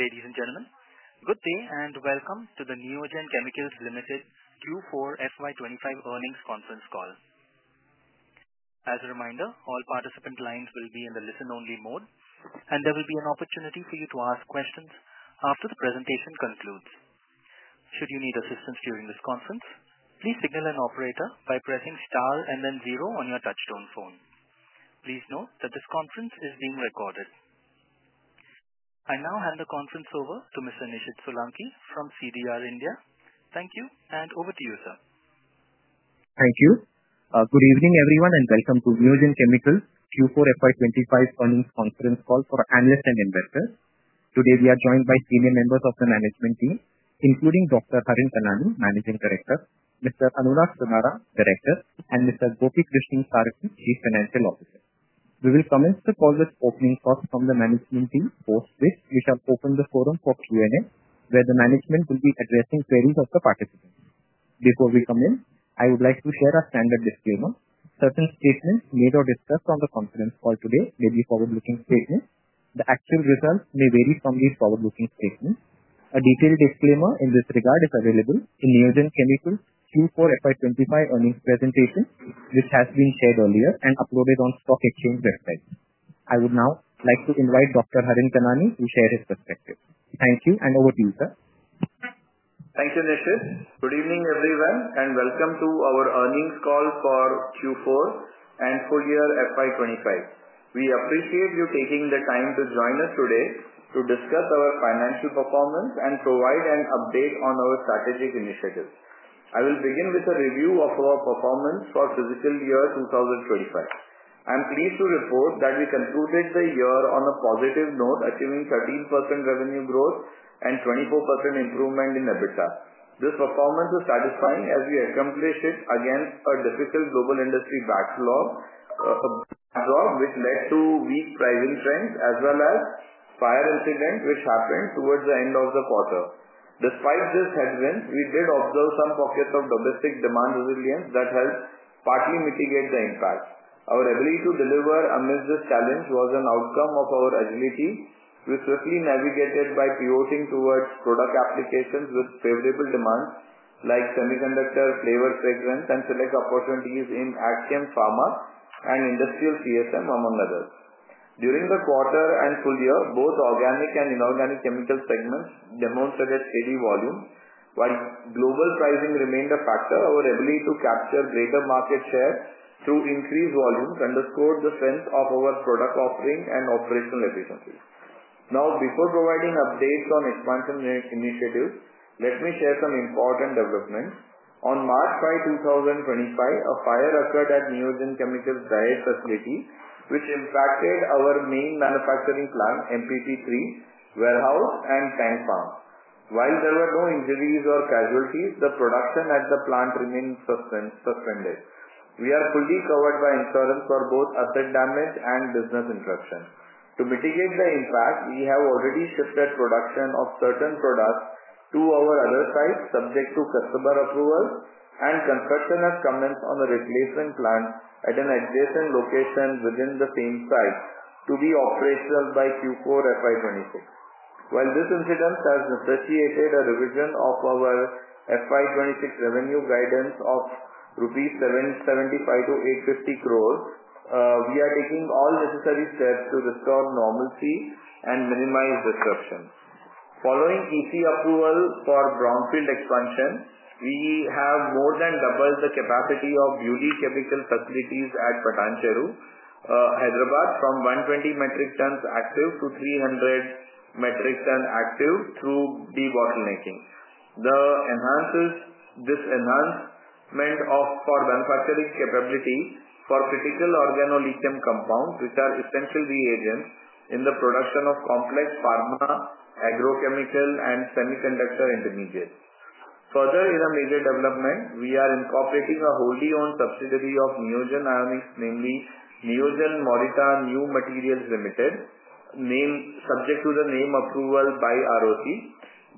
Ladies and gentlemen, good day and welcome to the Neogen Chemicals Limited Q4 FY25 earnings conference call. As a reminder, all participant lines will be in the listen-only mode, and there will be an opportunity for you to ask questions after the presentation concludes. Should you need assistance during this conference, please signal an operator by pressing star and then zero on your touchstone phone. Please note that this conference is being recorded. I now hand the conference over to Mr. Nishid Solanki from CDR India. Thank you, and over to you, sir. Thank you. Good evening, everyone, and welcome to Neogen Chemicals Q4 FY25 Earnings Conference Call for analysts and investors. Today, we are joined by senior members of the management team, including Dr. Harin Kanani, Managing Director; Mr. Anurag Kumara, Director; and Mr. Gopi Krishnan Sarathy, Chief Financial Officer. We will commence the call with opening thoughts from the management team, post which we shall open the forum for Q&A, where the management will be addressing queries of the participants. Before we come in, I would like to share a standard disclaimer. Certain statements made or discussed on the conference call today may be forward-looking statements. The actual results may vary from these forward-looking statements. A detailed disclaimer in this regard is available in Neogen Chemicals Q4 FY25 earnings presentation, which has been shared earlier and uploaded on the stock exchange website. I would now like to invite Dr. Harin Kanani to share his perspective. Thank you, and over to you, sir. Thank you, Nishid. Good evening, everyone, and welcome to our Earnings Call for Q4 and Full Year FY2025. We appreciate you taking the time to join us today to discuss our financial performance and provide an update on our strategic initiatives. I will begin with a review of our performance for fiscal year 2025. I'm pleased to report that we concluded the year on a positive note, achieving 13% revenue growth and 24% improvement in EBITDA. This performance is satisfying as we accomplished it against a difficult global industry backdrop, which led to weak pricing trends as well as a fire incident which happened towards the end of the quarter. Despite this headwind, we did observe some pockets of domestic demand resilience that helped partly mitigate the impacts. Our ability to deliver amidst this challenge was an outcome of our agility, which was swiftly navigated by pivoting towards product applications with favorable demands like semiconductor, flavor, fragrance, and select opportunities in Axiom Pharma and Industrial CSM, among others. During the quarter and full year, both organic and inorganic chemical segments demonstrated steady volumes, while global pricing remained a factor. Our ability to capture greater market share through increased volumes underscored the strength of our product offering and operational efficiency. Now, before providing updates on expansion initiatives, let me share some important developments. On March 5, 2025, a fire occurred at Neogen Chemicals' Dahej facility, which impacted our main manufacturing plant, MPP-3 warehouse, and tank pump. While there were no injuries or casualties, the production at the plant remained suspended. We are fully covered by insurance for both asset damage and business interruption. To mitigate the impact, we have already shifted production of certain products to our other sites, subject to customer approval, and construction has commenced on a replacement plant at an adjacent location within the same site to be operational by Q4 FY2026. While this incident has necessitated a revision of our FY2026 revenue guidance of INR 750 crore to 850 crore, we are taking all necessary steps to restore normalcy and minimize disruption. Following EC approval for brownfield expansion, we have more than doubled the capacity of BuLi Chemical facilities at Patancheru, Hyderabad, from 120 metric tons active to 300 metric tons active through de-bottlenecking. This enhancement of our manufacturing capability for critical organolithium compounds, which are essential reagents in the production of complex pharma, agrochemical, and semiconductor intermediates. Further, in a major development, we are incorporating a wholly owned subsidiary of Neogen Ionics, namely Neogen Morita New Materials Ltd, subject to the name approval by ROC.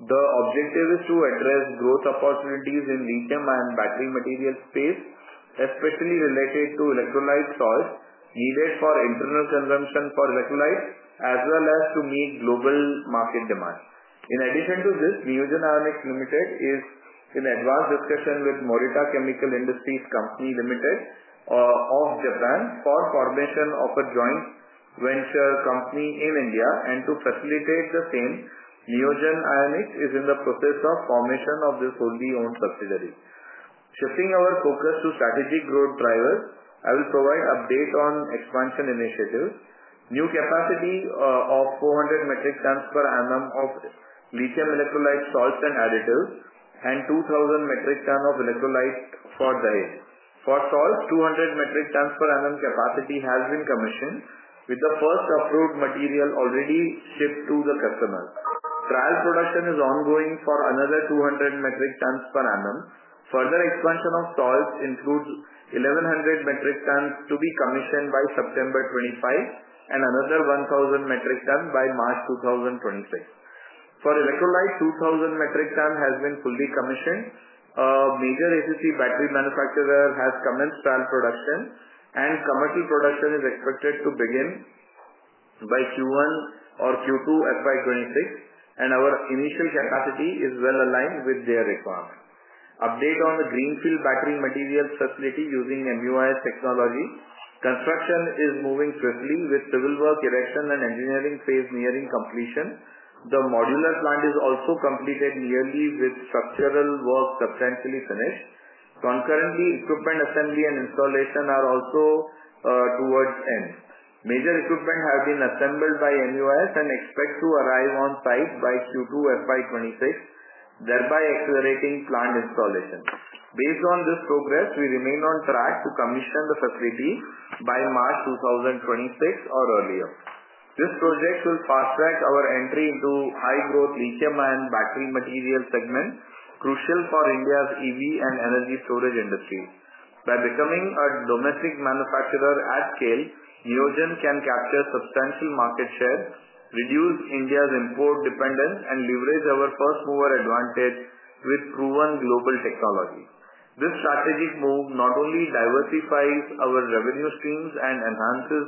The objective is to address growth opportunities in lithium and battery material space, especially related to electrolyte source needed for internal consumption for electrolyte, as well as to meet global market demand. In addition to this, Neogen Ionics Ltd is in advanced discussion with Morita Chemical Industries Company Ltd of Japan for formation of a joint venture company in India, and to facilitate the same. Neogen Ionics is in the process of formation of this wholly owned subsidiary. Shifting our focus to strategic growth drivers, I will provide update on expansion initiatives. New capacity of 400 metric tons per annum of lithium electrolyte salts and additives, and 2,000 metric tons of electrolyte for diets. For salts, 200 metric tons per annum capacity has been commissioned, with the first approved material already shipped to the customers. Trial production is ongoing for another 200 metric tons per annum. Further expansion of salts includes 1,100 metric tons to be commissioned by September 2025, and another 1,000 metric tons by March 2026. For electrolyte, 2,000 metric tons has been fully commissioned. A major ACC battery manufacturer has commenced trial production, and commercial production is expected to begin by Q1 or Q2 FY2026, and our initial capacity is well aligned with their requirements. Update on the greenfield battery materials facility using MUIS technology. Construction is moving swiftly, with civil work, erection, and engineering phase nearing completion. The modular plant is also completed nearly, with structural work substantially finished. Concurrently, equipment assembly and installation are also towards end. Major equipment have been assembled by MUIS and expect to arrive on site by Q2 FY26, thereby accelerating plant installation. Based on this progress, we remain on track to commission the facility by March 2026 or earlier. This project will fast-track our entry into high-growth lithium and battery material segment, crucial for India's EV and energy storage industry. By becoming a domestic manufacturer at scale, Neogen can capture substantial market share, reduce India's import dependence, and leverage our first-mover advantage with proven global technology. This strategic move not only diversifies our revenue streams and enhances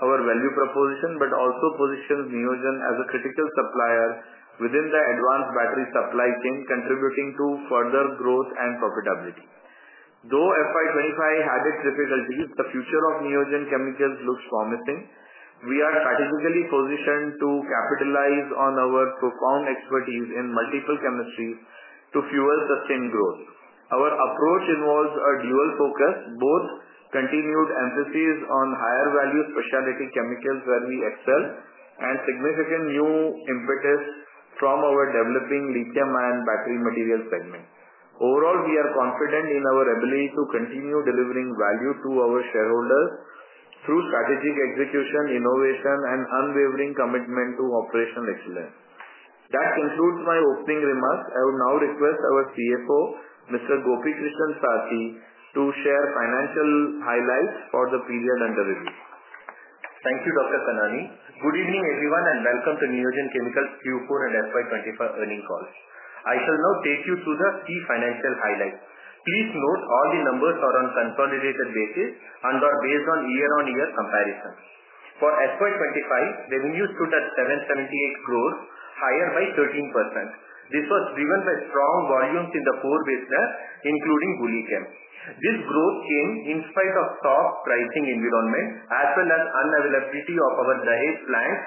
our value proposition, but also positions Neogen as a critical supplier within the advanced battery supply chain, contributing to further growth and profitability. Though FY25 had its difficulties, the future of Neogen Chemicals looks promising. We are strategically positioned to capitalize on our profound expertise in multiple chemistries to fuel sustained growth. Our approach involves a dual focus: both continued emphasis on higher-value specialty chemicals where we excel, and significant new impetus from our developing lithium and battery material segment. Overall, we are confident in our ability to continue delivering value to our shareholders through strategic execution, innovation, and unwavering commitment to operational excellence. That concludes my opening remarks. I would now request our CFO, Mr. Gopi Krishnan Sarathy, to share financial highlights for the period under review. Thank you, Dr. Kanani. Good evening, everyone, and welcome to Neogen Chemicals Q4 and FY2025 Earnings Call. I shall now take you through the key financial highlights. Please note all the numbers are on consolidated basis and are based on year-on-year comparisons. For FY2025, revenues stood at 778 crore, higher by 13%. This was driven by strong volumes in the core business, including BuLi. This growth came in spite of soft pricing environment, as well as unavailability of our Dahej plants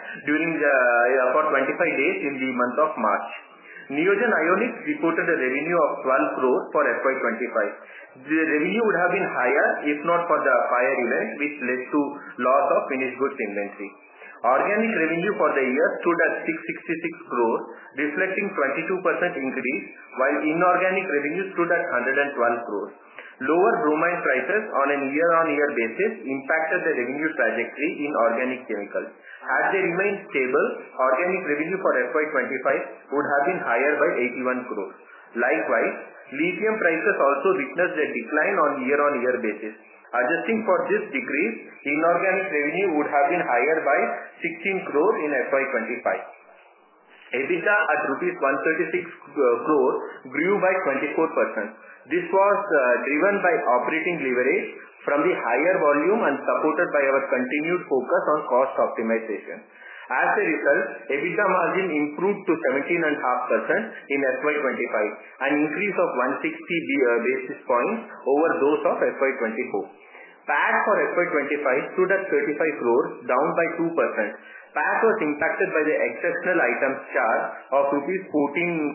for 25 days in the month of March. Neogen Ionics reported a revenue of 12 crore for FY25. The revenue would have been higher if not for the fire event, which led to loss of finished goods inventory. Organic revenue for the year stood at 666 crore, reflecting a 22% increase, while inorganic revenue stood at 112 crore. Lower bromide prices on a year-on-year basis impacted the revenue trajectory in organic chemicals. Had they remained stable, organic revenue for FY25 would have been higher by 81 crore. Likewise, lithium prices also witnessed a decline on a year-on-year basis. Adjusting for this decrease, inorganic revenue would have been higher by INR 16 crore in FY25. EBITDA at rupees 136 crore grew by 24%. This was driven by operating leverage from the higher volume and supported by our continued focus on cost optimization. As a result, EBITDA margin improved to 17.5% in FY25, an increase of 160 basis points over those of FY24. PAT for FY25 stood at 35 crore, down by 2%. PAT was impacted by the exceptional items charge of INR 14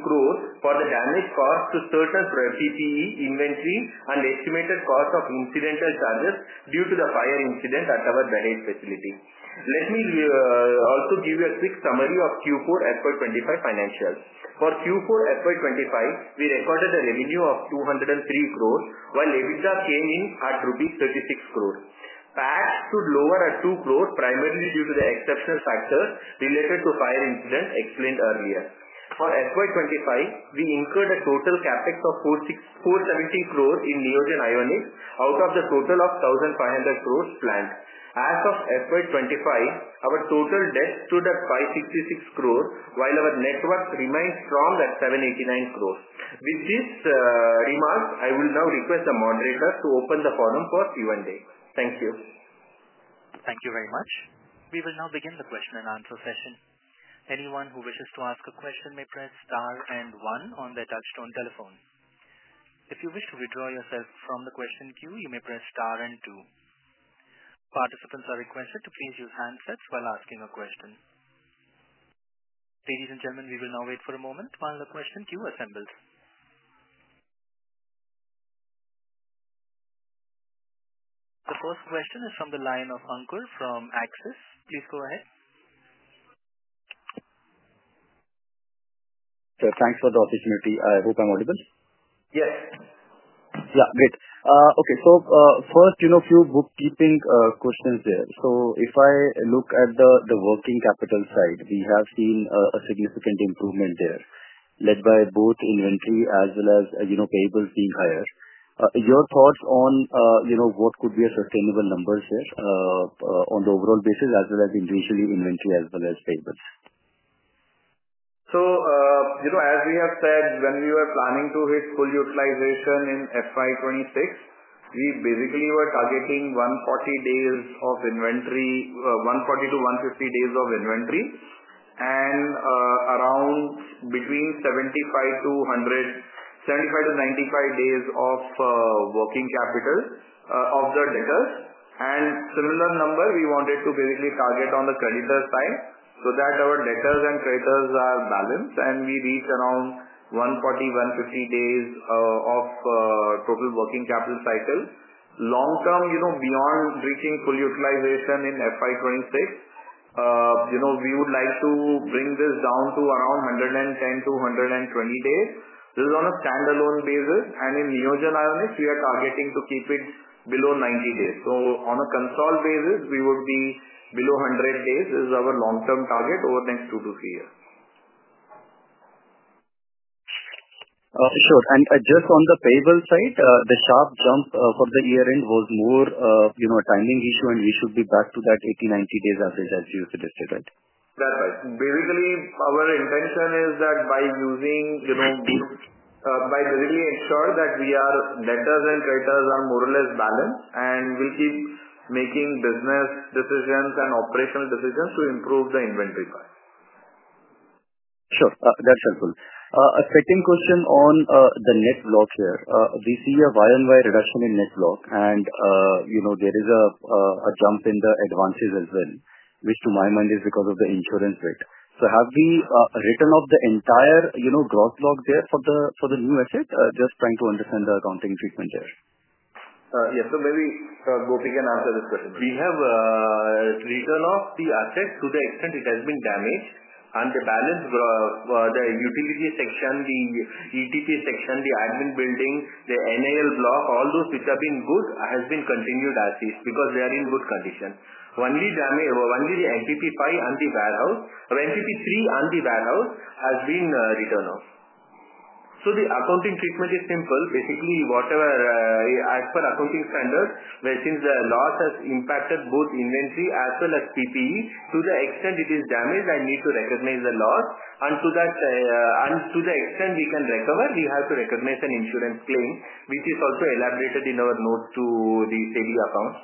crore for the damage caused to certain PPE inventory and estimated cost of incidental charges due to the fire incident at our Dahej facility. Let me also give you a quick summary of Q4 FY25 financials. For Q4 FY25, we recorded a revenue of 203 crore, while EBITDA came in at rupees 36 crore. PAT stood lower at 2 crore, primarily due to the exceptional factors related to fire incident explained earlier. For FY25, we incurred a total CapEx of 470 crore in Neogen Ionics out of the total of 1,500 crore planned. As of FY25, our total debt stood at 566 crore, while our net worth remained strong at 789 crore. With these remarks, I will now request the moderators to open the forum for Q&A. Thank you. Thank you very much. We will now begin the question and answer session. Anyone who wishes to ask a question may press star and one on their touchstone telephone. If you wish to withdraw yourself from the question queue, you may press star and two. Participants are requested to please use handsets while asking a question. Ladies and gentlemen, we will now wait for a moment while the question queue assembles. The first question is from the line of Ankur from Axis. Please go ahead. Thanks for the opportunity. I hope I'm audible. Yes. Yeah, great. Okay, so first, a few bookkeeping questions there. If I look at the working capital side, we have seen a significant improvement there, led by both inventory as well as payables being higher. Your thoughts on what could be a sustainable number here on the overall basis, as well as individually inventory as well as payables? As we have said, when we were planning to hit full utilization in FY26, we basically were targeting 140 days of inventory, 140-150 days of inventory, and around between 75-95 days of working capital of the debtors. A similar number we wanted to basically target on the creditor side so that our debtors and creditors are balanced, and we reach around 140-150 days of total working capital cycle. Long term, beyond reaching full utilization in FY26, we would like to bring this down to around 110-120 days on a standalone basis. In Neogen Ionics, we are targeting to keep it below 90 days. On a consolidated basis, we would be below 100 days is our long-term target over the next two to three years. Sure. Just on the payable side, the sharp jump for the year-end was more a timing issue, and we should be back to that 80-90 days average, as you suggested, right? That's right. Basically, our intention is that by basically ensuring that we are debtors and creditors are more or less balanced, and we'll keep making business decisions and operational decisions to improve the inventory price. Sure. That's helpful. A second question on the net block here. We see a year-on-year reduction in net block, and there is a jump in the advances as well, which to my mind is because of the insurance rate. So have we written off the entire gross block there for the new asset? Just trying to understand the accounting treatment there. Yes. Maybe Gopi can answer this question. We have written off the asset to the extent it has been damaged, and the balance for the utility section, the ETP section, the admin building, the NAL block, all those which have been good, has been continued as is because they are in good condition. Only the MPP-5 and the warehouse, or MPP-3 and the warehouse, has been written off. The accounting treatment is simple. Basically, as per accounting standards, since the loss has impacted both inventory as well as PPE, to the extent it is damaged, I need to recognize the loss. To the extent we can recover, we have to recognize an insurance claim, which is also elaborated in our notes to the SABI accounts.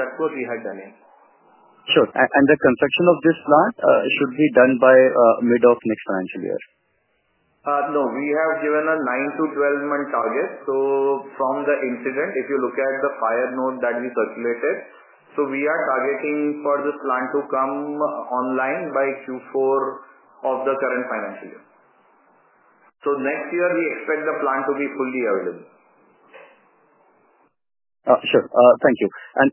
That is what we have done here. Sure. The construction of this plant should be done by mid of next financial year? No. We have given a nine to 12 month target. From the incident, if you look at the prior note that we circulated, we are targeting for this plant to come online by Q4 of the current financial year. Next year, we expect the plant to be fully available. Sure. Thank you.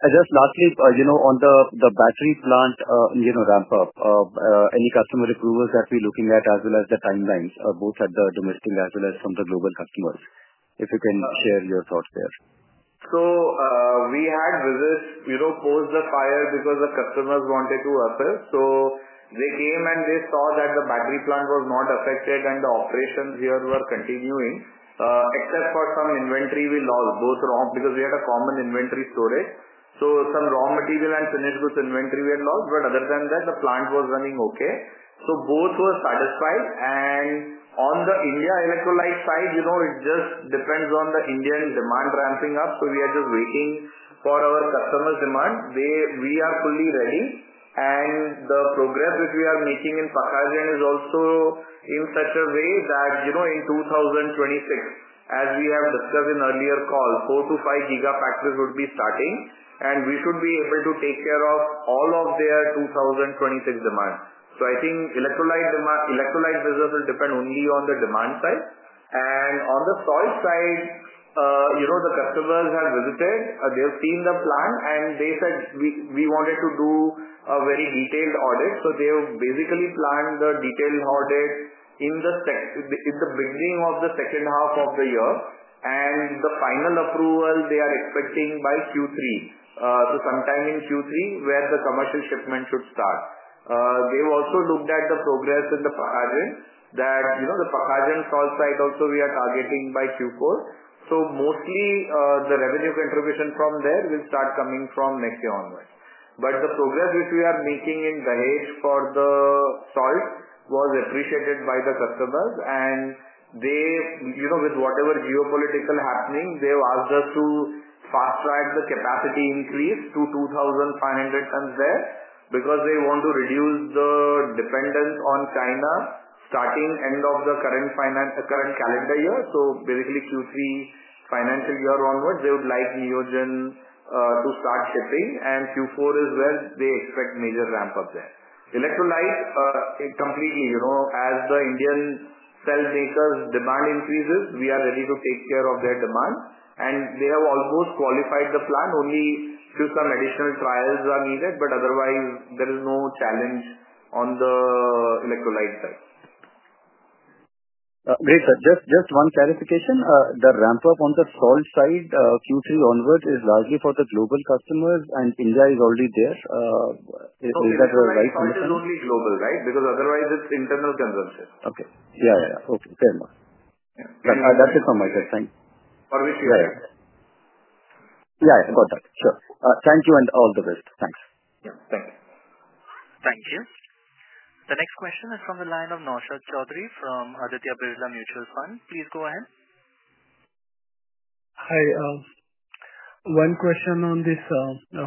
Just lastly, on the battery plant ramp-up, any customer approvals that we're looking at, as well as the timelines, both at the domestic as well as from the global customers, if you can share your thoughts there. We had visits post the fire because the customers wanted to assist. They came and they saw that the battery plant was not affected, and the operations here were continuing, except for some inventory we lost, both raw because we had a common inventory storage. Some raw material and finished goods inventory we had lost. Other than that, the plant was running okay. Both were satisfied. On the India electrolyte side, it just depends on the Indian demand ramping up. We are just waiting for our customers' demand. We are fully ready. The progress which we are making in Pakhajan is also in such a way that in 2026, as we have discussed in earlier calls, four to five gigafactories would be starting, and we should be able to take care of all of their 2026 demand. I think electrolyte business will depend only on the demand side. On the soil side, the customers have visited. They've seen the plant, and they said we wanted to do a very detailed audit. They basically planned the detailed audit in the beginning of the second half of the year. The final approval they are expecting by Q3, so sometime in Q3, where the commercial shipment should start. They've also looked at the progress in Pakhajan, that the Pakhajan soil side also we are targeting by Q4. Mostly the revenue contribution from there will start coming from next year onwards. The progress which we are making in Dahej for the soil was appreciated by the customers. With whatever geopolitical happening, they have asked us to fast-track the capacity increase to 2,500 tons there because they want to reduce the dependence on China starting end of the current calendar year. Basically, Q3 financial year onwards, they would like Neogen to start shipping. Q4 is where they expect major ramp-up there. Electrolyte, completely, as the Indian cell makers' demand increases, we are ready to take care of their demand. They have almost qualified the plant. Only a few additional trials are needed, but otherwise, there is no challenge on the electrolyte side. Great, sir. Just one clarification. The ramp-up on the soil side Q3 onwards is largely for the global customers, and India is already there. Is that right? It's only global, right? Because otherwise, it's internal consultation. Okay. Yeah, yeah. Okay. Fair enough. That's it from my side. Thank you. Or which you like. Yeah, yeah. Got that. Sure. Thank you and all the best. Thanks. Thank you. Thank you. The next question is from the line of Naushad Chaudhary from Aditya Birla Mutual Fund. Please go ahead. Hi. One question on this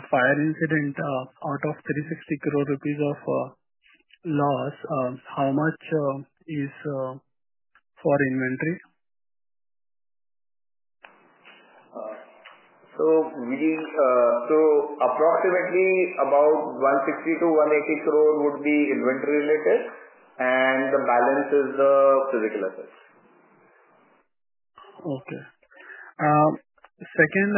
fire incident. Out of 360 crore rupees of loss, how much is for inventory? Approximately 160 crore to 180 crore would be inventory related, and the balance is the physical assets. Okay. Second,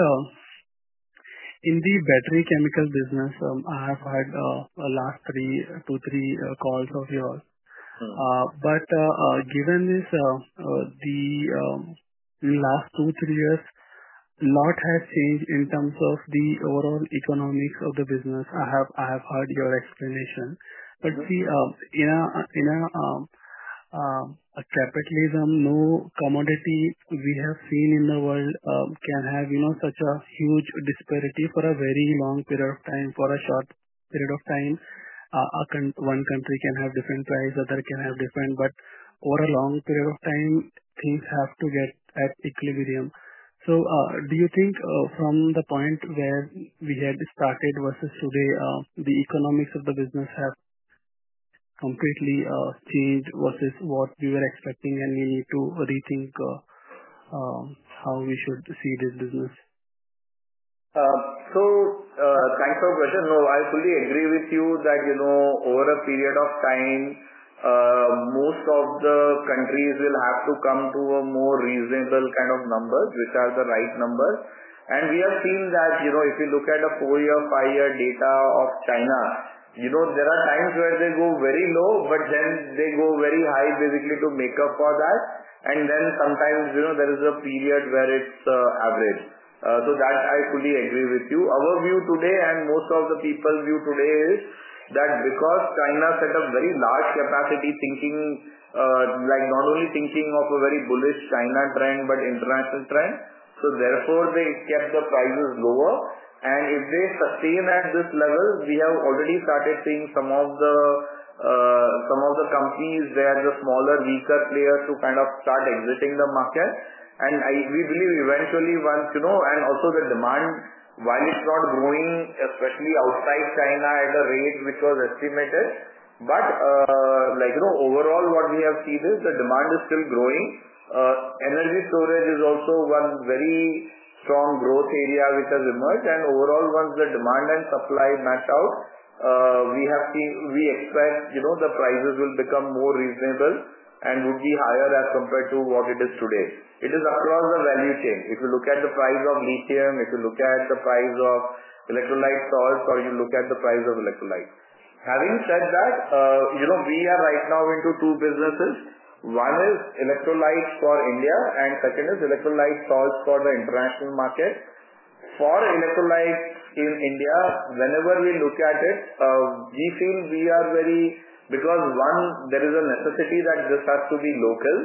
in the battery chemical business, I have had the last two, three calls of yours. Given the last two, three years, a lot has changed in terms of the overall economics of the business. I have heard your explanation. In capitalism, no commodity we have seen in the world can have such a huge disparity for a very long period of time. For a short period of time, one country can have different prices, another can have different. Over a long period of time, things have to get at equilibrium. Do you think from the point where we had started versus today, the economics of the business have completely changed versus what we were expecting, and we need to rethink how we should see this business? Thank you for the question. No, I fully agree with you that over a period of time, most of the countries will have to come to a more reasonable kind of numbers, which are the right numbers. We have seen that if you look at the four-year, five-year data of China, there are times where they go very low, but then they go very high basically to make up for that. Sometimes there is a period where it is average. I fully agree with you. Our view today and most people's view today is that because China set up very large capacity, not only thinking of a very bullish China trend, but international trend, they kept the prices lower. If they sustain at this level, we have already started seeing some of the companies that are the smaller, weaker players to kind of start exiting the market. We believe eventually once, and also the demand, while it is not growing, especially outside China at a rate which was estimated. Overall, what we have seen is the demand is still growing. Energy storage is also one very strong growth area which has emerged. Overall, once the demand and supply match out, we expect the prices will become more reasonable and would be higher as compared to what it is today. It is across the value chain. If you look at the price of lithium, if you look at the price of electrolyte salts, or you look at the price of electrolyte. Having said that, we are right now into two businesses. One is electrolytes for India, and second is electrolyte salts for the international market. For electrolytes in India, whenever we look at it, we feel we are very because one, there is a necessity that this has to be local.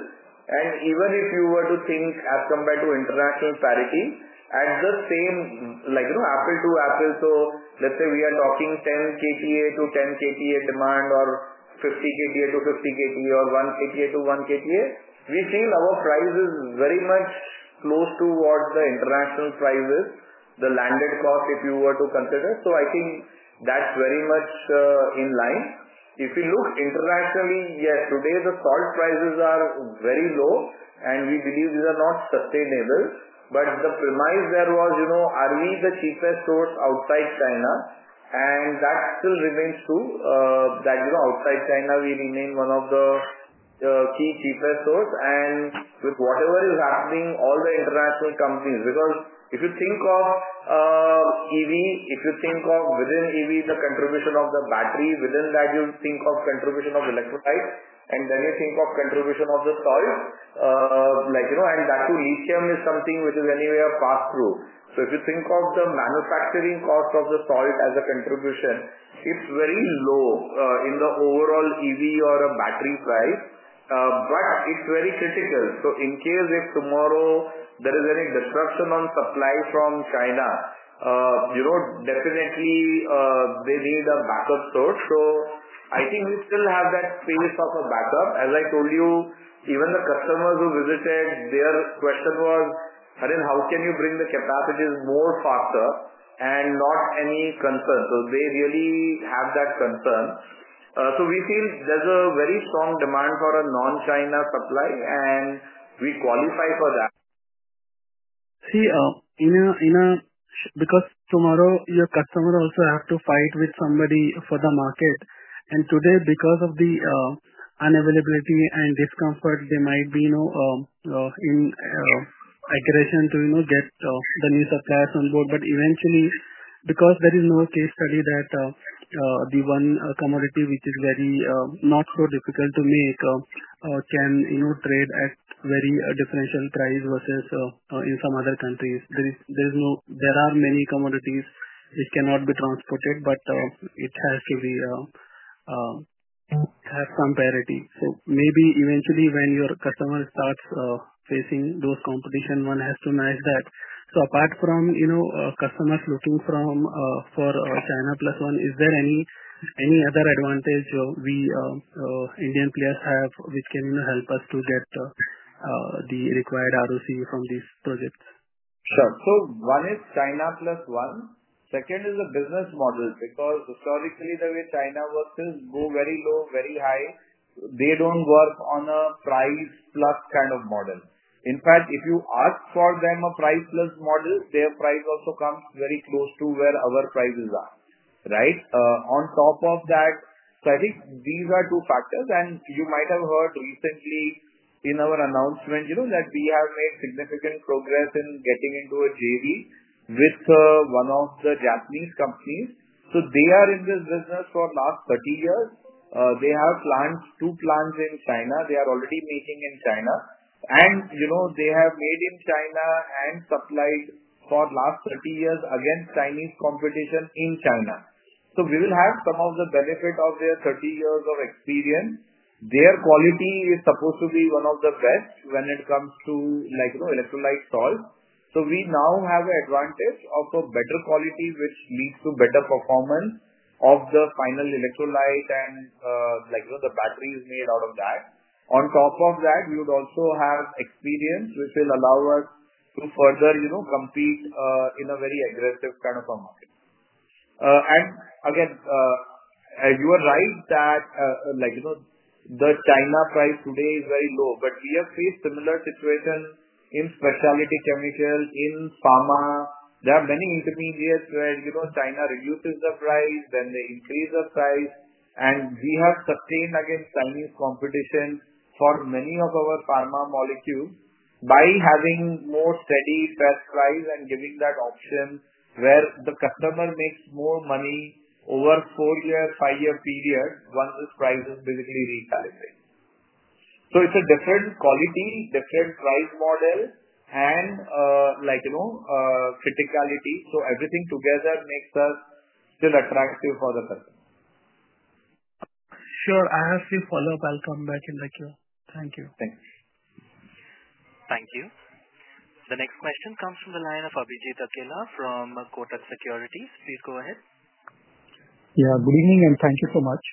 Even if you were to think as compared to international parity, at the same apple to apple, so let's say we are talking 10 KTA to 10 KTA demand or 50 KTA to 50 KTA or 1 KTA to 1 KTA, we feel our price is very much close to what the international price is, the landed cost if you were to consider. I think that's very much in line. If you look internationally, yes, today the salt prices are very low, and we believe these are not sustainable. The premise there was, are we the cheapest source outside China? That still remains true that outside China, we remain one of the key cheapest sources. With whatever is happening, all the international companies, because if you think of EV, if you think of within EV, the contribution of the battery, within that, you think of contribution of electrolytes, and then you think of contribution of the salts. That too, lithium is something which is anyway fast through. If you think of the manufacturing cost of the salt as a contribution, it is very low in the overall EV or a battery price, but it is very critical. In case if tomorrow there is any disruption on supply from China, definitely they need a backup source. I think we still have that space of a backup. As I told you, even the customers who visited, their question was, "How can you bring the capacities more faster and not any concern?" They really have that concern. We feel there's a very strong demand for a non-China supply, and we qualify for that. See, because tomorrow your customer also has to fight with somebody for the market. Today, because of the unavailability and discomfort, there might be an aggression to get the new suppliers on board. Eventually, because there is no case study that the one commodity which is not so difficult to make can trade at very differential price versus in some other countries. There are many commodities which cannot be transported, but it has to have some parity. Maybe eventually when your customer starts facing that competition, one has to manage that. Apart from customers looking for China Plus One, is there any other advantage we Indian players have which can help us to get the required ROCE from these projects? Sure. One is China Plus One. Second is the business model because historically, the way China works is go very low, very high. They do not work on a price plus kind of model. In fact, if you ask for them a price plus model, their price also comes very close to where our prices are, right? On top of that, I think these are two factors. You might have heard recently in our announcement that we have made significant progress in getting into a JV with one of the Japanese companies. They are in this business for the last 30 years. They have two plants in China. They are already making in China. They have made in China and supplied for the last 30 years against Chinese competition in China. We will have some of the benefit of their 30 years of experience. Their quality is supposed to be one of the best when it comes to electrolyte salts. We now have an advantage of a better quality which leads to better performance of the final electrolyte and the batteries made out of that. On top of that, we would also have experience which will allow us to further compete in a very aggressive kind of a market. You are right that the China price today is very low, but we have faced similar situations in specialty chemicals, in pharma. There are many intermediates where China reduces the price, then they increase the price. We have sustained against Chinese competition for many of our pharma molecules by having more steady best price and giving that option where the customer makes more money over a four-year, five-year period once this price is basically recalibrated. It's a different quality, different price model, and criticality. Everything together makes us still attractive for the customer. Sure. I have to follow up. I'll come back in the queue. Thank you. Thanks. Thank you. The next question comes from the line of Abhijit Akela from Kotak Securities. Please go ahead. Yeah. Good evening and thank you so much.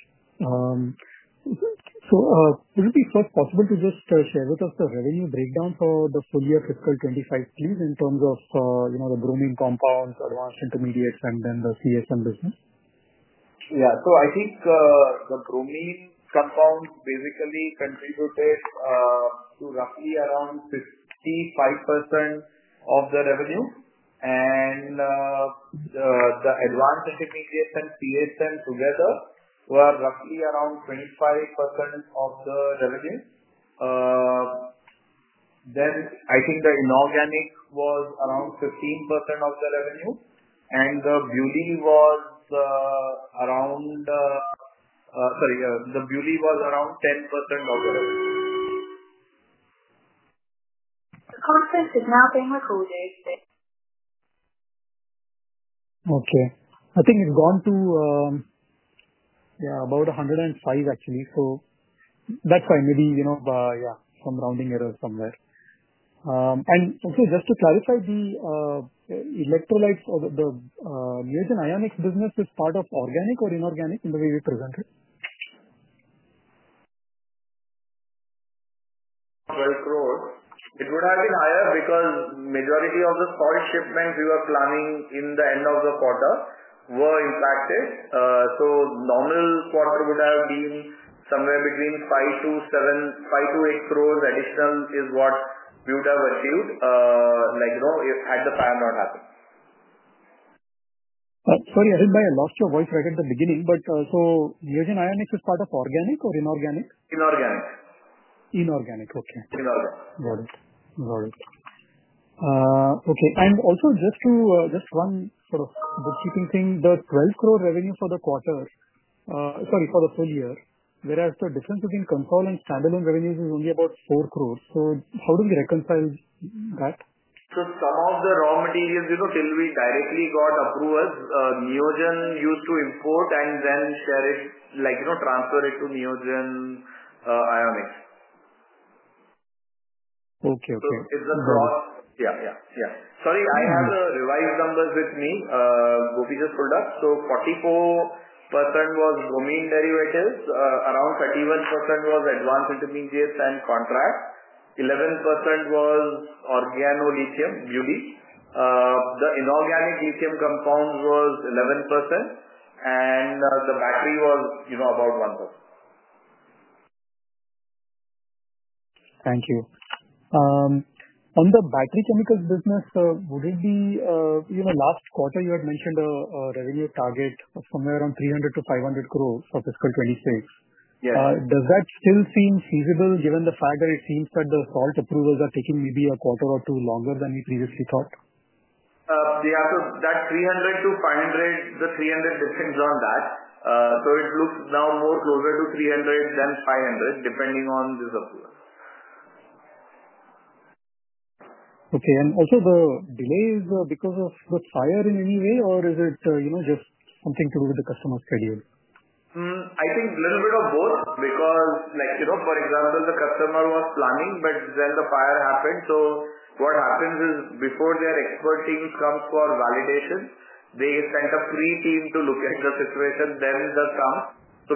Would it be first possible to just share with us the revenue breakdown for the full year Fiscal 2025, please, in terms of the bromine-based compounds, advanced intermediates, and then the CSM business? Yeah. I think the bromine-based compounds basically contributed to roughly around 55% of the revenue. The advanced intermediates and CSM together were roughly around 25% of the revenue. I think the inorganic was around 15% of the revenue. The BuLi was around, sorry, the BuLi was around 10% of the revenue. The conference is now being recorded. Okay. I think it's gone to, yeah, about 105 actually. So that's fine. Maybe, yeah, some rounding error somewhere. And also just to clarify, the electrolytes or the Neogen Ionics business is part of organic or inorganic in the way we presented? INR 12 crore. It would have been higher because majority of the salt shipments we were planning in the end of the quarter were impacted. Normal quarter would have been somewhere between 5 crore - 8 crore additional is what we would have achieved had the fire not happened. Sorry, I think I lost your voice right at the beginning. So Neogen Ionics is part of organic or inorganic? Inorganic. Inorganic. Okay. Inorganic. Got it. Got it. Okay. Also, just one sort of bookkeeping thing. The 12 crore revenue for the quarter, sorry, for the full year, whereas the difference between consol and standalone revenues is only about 4 crore. How do we reconcile that? Some of the raw materials, till we directly got approvals, Neogen used to import and then transfer it to Neogen Ionics. Okay. Okay. Yeah. Sorry, I have the revised numbers with me, what we just pulled up. So 44% was bromine derivatives, around 31% was advanced intermediates and contracts, 11% was organolithium, BuLi. The inorganic lithium compounds was 11%, and the battery was about 1%. Thank you. On the battery chemicals business, would it be last quarter you had mentioned a revenue target of somewhere around 300 crore-500 crore for fiscal 2026? Yes. Does that still seem feasible given the fact that it seems that the salt approvals are taking maybe a quarter or two longer than we previously thought? Yeah. So that 300 to 500, the 300 distinct on that. It looks now more closer to 300 than 500 depending on this approval. Okay. Also, the delay is because of the fire in any way, or is it just something to do with the customer schedule? I think a little bit of both because, for example, the customer was planning, but then the fire happened. What happens is before their expert team comes for validation, they send a pre-team to look at the situation, then they come.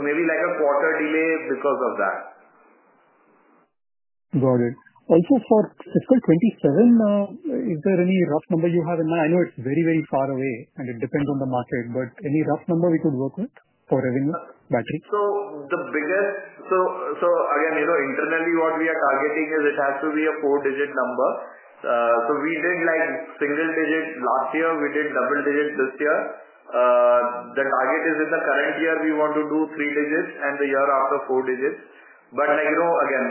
Maybe a quarter delay because of that. Got it. Also, for fiscal 2027, is there any rough number you have in mind? I know it's very, very far away, and it depends on the market, but any rough number we could work with for revenue battery? Again, internally, what we are targeting is it has to be a four-digit number. We did single digit last year. We did double digit this year. The target is in the current year, we want to do three digits and the year after four digits. Again,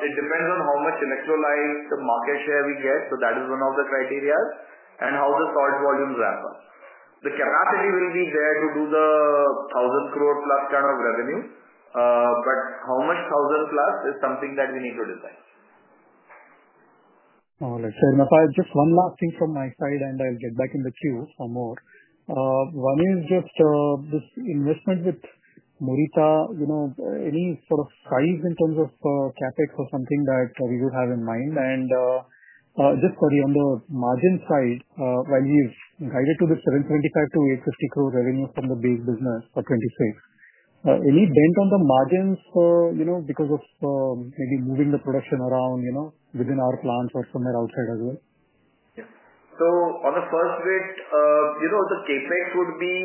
it depends on how much electrolyte market share we get. That is one of the criteria and how the salt volumes ramp up. The capacity will be there to do the 1,000 crore plus kind of revenue, but how much 1,000 crore+ is something that we need to decide. All right. If I just, one last thing from my side, and I'll get back in the queue for more. One is just this investment with Morita, any sort of size in terms of CapEx or something that we would have in mind? Just on the margin side, when we've guided to the 775 crore-850 crore revenue from the big business for 2026, any dent on the margins because of maybe moving the production around within our plants or somewhere outside as well? Yeah. On the first bit, the CapEx would be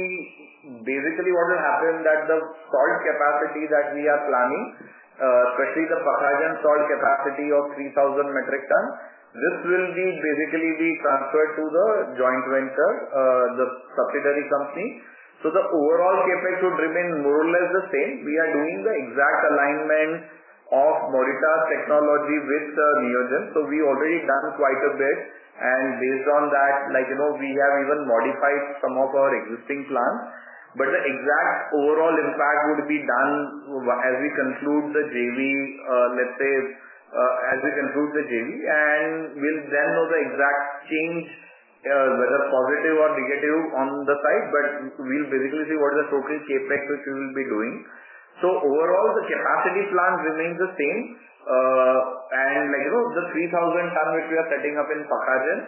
basically what will happen is that the salt capacity that we are planning, especially the Pakhajan salt capacity of 3,000 metric tons, this will be basically transferred to the joint venture, the subsidiary company. The overall CapEx would remain more or less the same. We are doing the exact alignment of Morita technology with Neogen. We have already done quite a bit, and based on that, we have even modified some of our existing plants. The exact overall impact would be done as we conclude the JV, let's say, as we conclude the JV. We will then know the exact change, whether positive or negative on the side, but we will basically see what the total CapEx which we will be doing is. Overall, the capacity plan remains the same. The 3,000 ton which we are setting up in Pakhajan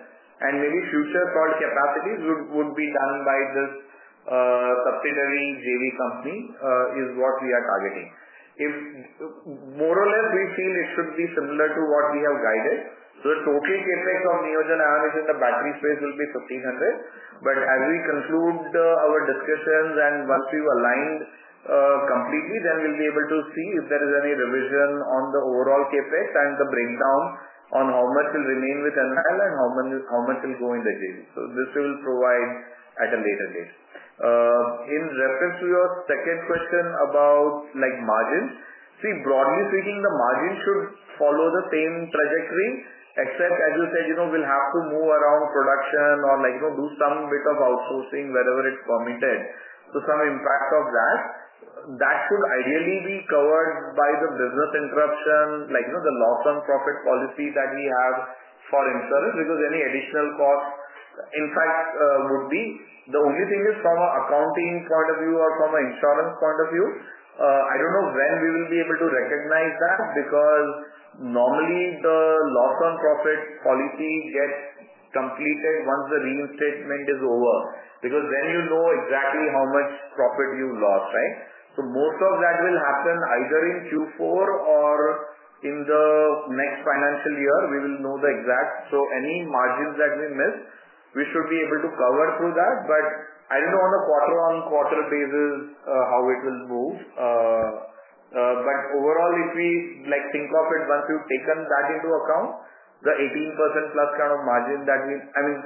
and maybe future salt capacities would be done by this subsidiary JV company is what we are targeting. More or less, we feel it should be similar to what we have guided. The total CapEx of Neogen Ionics in the battery space will be 1,500 crore. As we conclude our discussions and once we have aligned completely, then we will be able to see if there is any revision on the overall CapEx and the breakdown on how much will remain with NIL and how much will go in the JV. This will be provided at a later date. In reference to your second question about margins, broadly speaking, the margin should follow the same trajectory, except, as you said, we will have to move around production or do some bit of outsourcing wherever it is permitted. Some impact of that should ideally be covered by the business interruption, the loss on profit policy that we have for insurance because any additional cost, in fact, would be. The only thing is from an accounting point of view or from an insurance point of view, I do not know when we will be able to recognize that because normally the loss on profit policy gets completed once the reinstatement is over because then you know exactly how much profit you lost, right? Most of that will happen either in Q4 or in the next financial year. We will know the exact. Any margins that we miss, we should be able to cover through that. I do not know on a quarter-on-quarter basis how it will move. Overall, if we think of it, once we've taken that into account, the 18%+ kind of margin that we, I mean,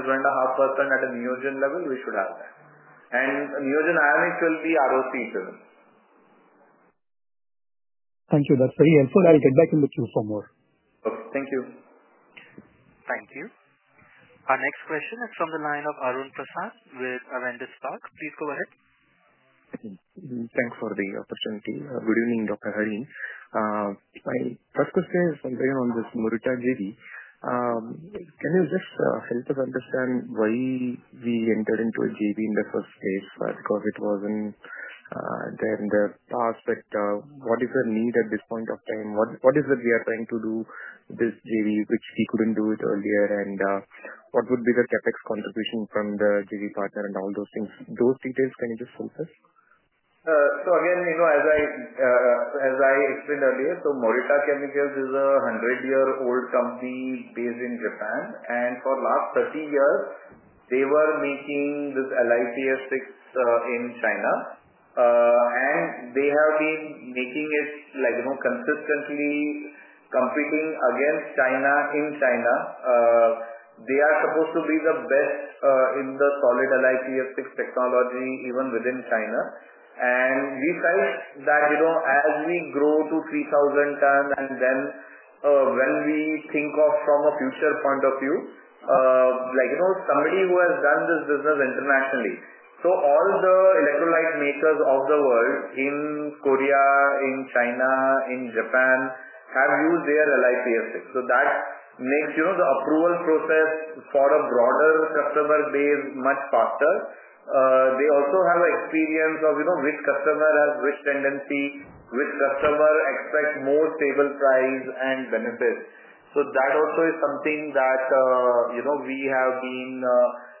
18.5%±1.5% at a Neogen level, we should have that. And Neogen Ionics will be ROCE driven. Thank you. That's very helpful. I'll get back in the queue for more. Okay. Thank you. Thank you. Our next question is from the line of Arun Prasath with Avendus Capital. Please go ahead. Thanks for the opportunity. Good evening, Dr. Harin. My first question is something on this Morita JV. Can you just help us understand why we entered into a JV in the first place? Because it was not there in the past, what is the need at this point of time? What is it we are trying to do with this JV which we could not do earlier? What would be the CapEx contribution from the JV partner and all those things? Those details, can you just help us? As I explained earlier, Morita Chemical is a 100-year-old company based in Japan. For the last 30 years, they were making this LiPF6 in China. They have been making it consistently, competing against China in China. They are supposed to be the best in the solid LiPF6 technology even within China. We felt that as we grow to 3,000 tons and then when we think of it from a future point of view, somebody who has done this business internationally. All the electrolyte makers of the world in Korea, in China, in Japan have used their LiPF6. That makes the approval process for a broader customer base much faster. They also have experience of which customer has which tendency, which customer expects more stable price and benefits. That also is something that we have been,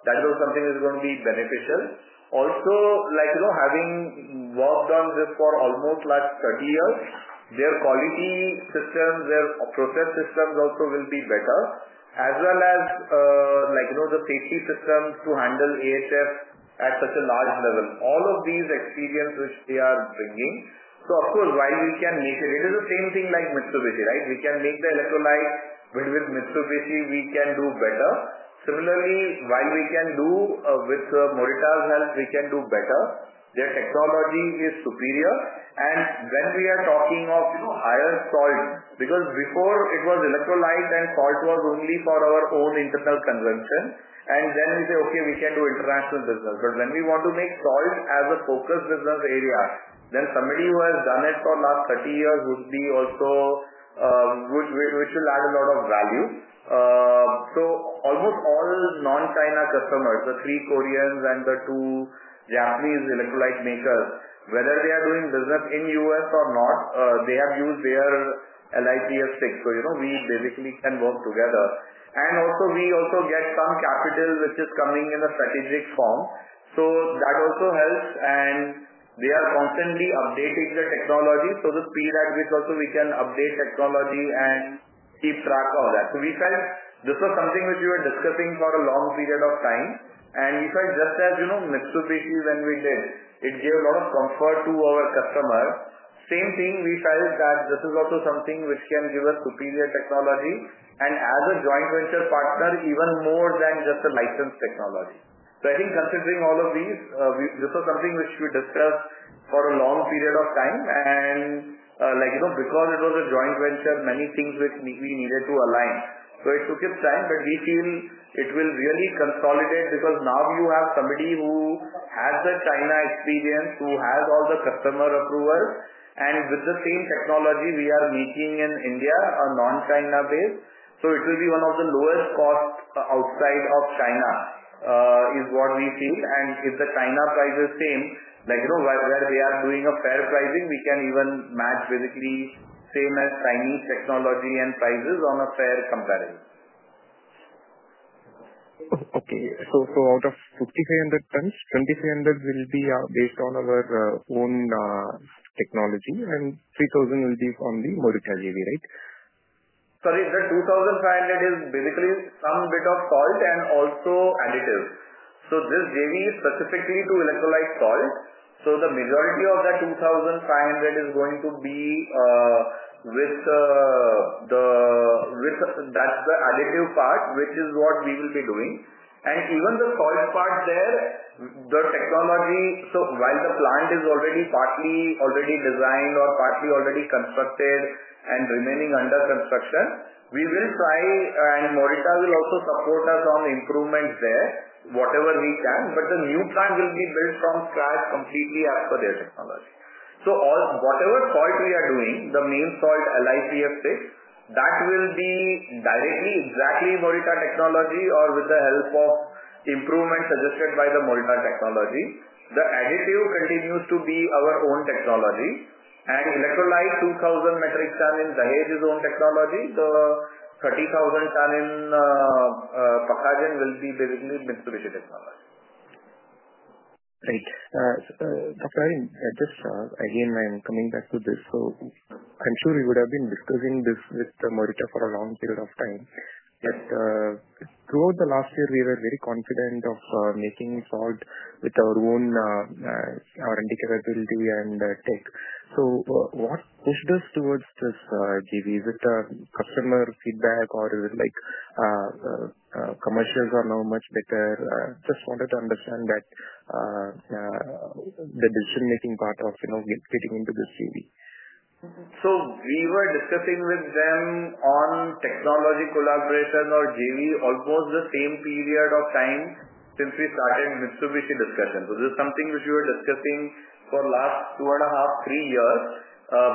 that is something that is going to be beneficial. Also, having worked on this for almost 30 years, their quality systems, their process systems also will be better, as well as the safety systems to handle AHF at such a large level. All of these experiences which they are bringing. Of course, while we can make it, it is the same thing like Mitsubishi, right? We can make the electrolyte, but with Mitsubishi, we can do better. Similarly, while we can do with Morita's help, we can do better. Their technology is superior. When we are talking of higher salt, because before it was electrolyte and salt was only for our own internal consumption, we say, "Okay, we can do international business." When we want to make salt as a focus business area, then somebody who has done it for the last 30 years would be also which will add a lot of value. Almost all non-China customers, the three Koreans and the two Japanese electrolyte makers, whether they are doing business in the U.S. or not, they have used their LiPF6. We basically can work together. We also get some capital which is coming in a strategic form. That also helps. They are constantly updating the technology. The speed at which also we can update technology and keep track of that. We felt this was something which we were discussing for a long period of time. We felt just as Mitsubishi, when we did, it gave a lot of comfort to our customer. Same thing, we felt that this is also something which can give us superior technology. As a joint venture partner, even more than just a licensed technology. I think considering all of these, this was something which we discussed for a long period of time. Because it was a joint venture, many things which we needed to align. It took its time, but we feel it will really consolidate because now you have somebody who has the China experience, who has all the customer approvals. With the same technology, we are meeting in India, a non-China base. It will be one of the lowest costs outside of China is what we feel. If the China price is same, where they are doing a fair pricing, we can even match basically same as Chinese technology and prices on a fair comparison. Okay. So out of 5,500 tons, 2,500 tons will be based on our own technology, and 3,000 tons will be from the Morita JV, right? Sorry, the 2,500 tons is basically some bit of salt and also additives. This JV is specifically to electrolyte salt. The majority of that 2,500 tons is going to be with the additive part, which is what we will be doing. Even the salt part there, the technology, while the plant is already partly already designed or partly already constructed and remaining under construction, we will try, and Morita will also support us on the improvements there, whatever we can. The new plant will be built from scratch completely as per their technology. Whatever salt we are doing, the main salt LiPF6, that will be directly exactly Morita technology or with the help of improvements suggested by the Morita technology. The additive continues to be our own technology. Electrolyte 2,000 metric tons in Dahej is own technology. The 30,000 tons in Pakhajan will be basically Mitsubishi technology. Right. Dr. Harin, just again, I'm coming back to this. I'm sure you would have been discussing this with Morita for a long period of time. Throughout the last year, we were very confident of making salt with our own R&D capability and tech. What pushed us towards this JV? Is it customer feedback, or are commercials now much better? I just wanted to understand the decision-making part of getting into this JV. We were discussing with them on technology collaboration or JV almost the same period of time since we started Mitsubishi discussion. This is something which we were discussing for the last two and a half, three years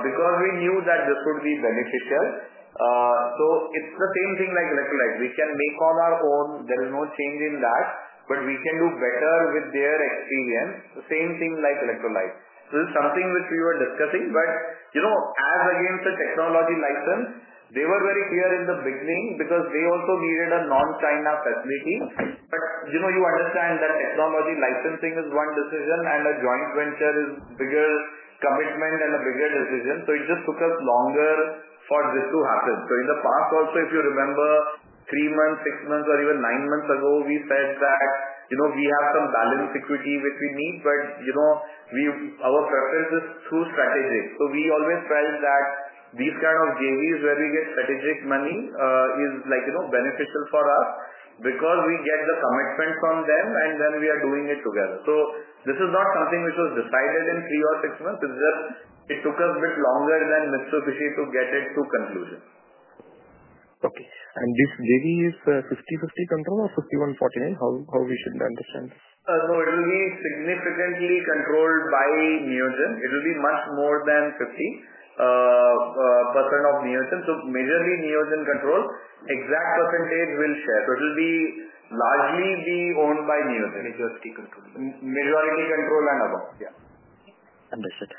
because we knew that this would be beneficial. It is the same thing like electrolyte. We can make on our own. There is no change in that, but we can do better with their experience. The same thing like electrolyte. This is something which we were discussing. As against the technology license, they were very clear in the beginning because they also needed a non-China facility. You understand that technology licensing is one decision, and a joint venture is a bigger commitment and a bigger decision. It just took us longer for this to happen. In the past, also, if you remember, three months, six months, or even nine months ago, we said that we have some balance equity which we need, but our preference is through strategic. We always felt that these kind of JVs where we get strategic money is beneficial for us because we get the commitment from them, and then we are doing it together. This is not something which was decided in three or six months. It just took us a bit longer than Mitsubishi to get it to conclusion. Okay. And this JV is 50/50 control or 51/49? How should we understand this? It will be significantly controlled by Neogen. It will be much more than 50% of Neogen. Majorly Neogen control. Exact percentage we will share. It will largely be owned by Neogen. Majority control. Majority control and above. Yeah. Understood.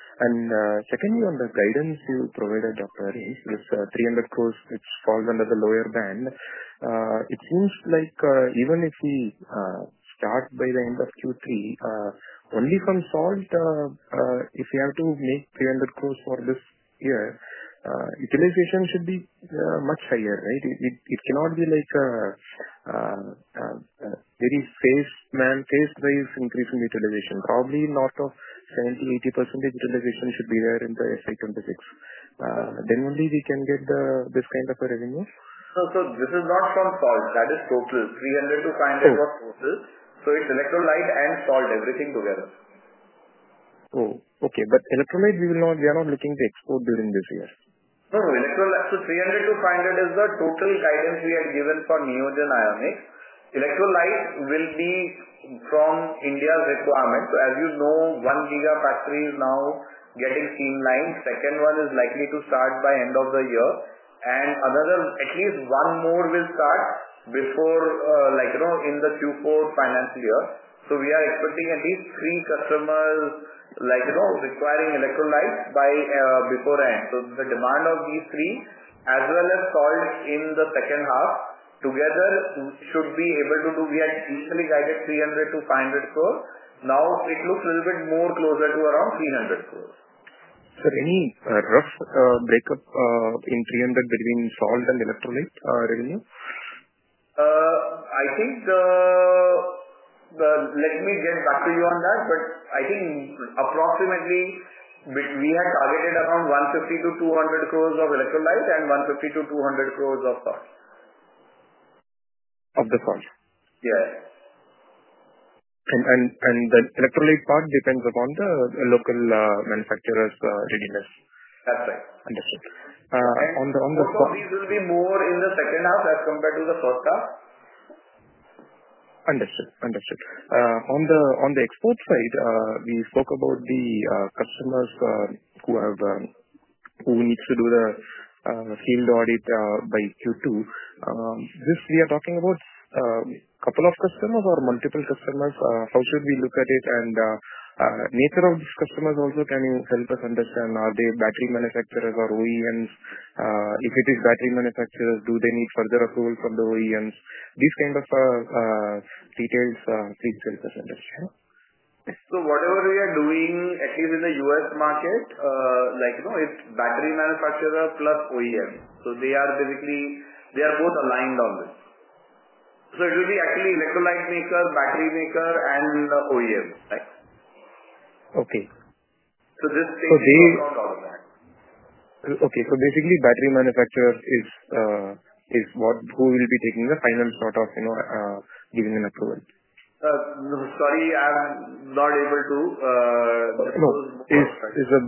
Secondly, on the guidance you provided, Dr. Harin, with 300 crore which falls under the lower band, it seems like even if we start by the end of Q3, only from salt, if we have to make 300 crore for this year, utilization should be much higher, right? It cannot be like a very phased-wise increase in utilization. Probably a lot of 70-80% utilization should be there in the SI26. Then only we can get this kind of a revenue. This is not from salt. That is total. 300-500 was total. It is electrolyte and salt, everything together. Oh, okay. Electrolyte, we are not looking to export during this year. No. So 300-500 is the total guidance we had given for Neogen Ionics. Electrolyte will be from India's requirement. As you know, one gigafactory is now getting streamlined. Second one is likely to start by the end of the year. Another, at least one more, will start before in the Q4 financial year. We are expecting at least three customers requiring electrolytes before end. The demand of these three, as well as salt in the second half, together should be able to do. We had initially guided 300 crore-500 crore. Now it looks a little bit more closer to around 300 crore. Is there any rough breakup in 300 between salt and electrolyte revenue? I think let me get back to you on that. I think approximately we had targeted around 150 crore-200 crore of electrolyte and 150 crore-200 crore of salt. Of the salt. Yes. The electrolyte part depends upon the local manufacturer's readiness. That's right. Understood. On the. These will be more in the second half as compared to the first half. Understood. Understood. On the export side, we spoke about the customers who need to do the field audit by Q2. This we are talking about a couple of customers or multiple customers? How should we look at it? The nature of these customers also, can you help us understand? Are they battery manufacturers or OEMs? If it is battery manufacturers, do they need further approval from the OEMs? These kind of details please help us understand. Whatever we are doing, at least in the U.S. market, it's battery manufacturer plus OEM. They are basically both aligned on this. It will be actually electrolyte maker, battery maker, and OEM, right? Okay. This takes into account all of that. Okay. So basically, battery manufacturer is who will be taking the final shot of giving an approval? Sorry, I'm not able to. No.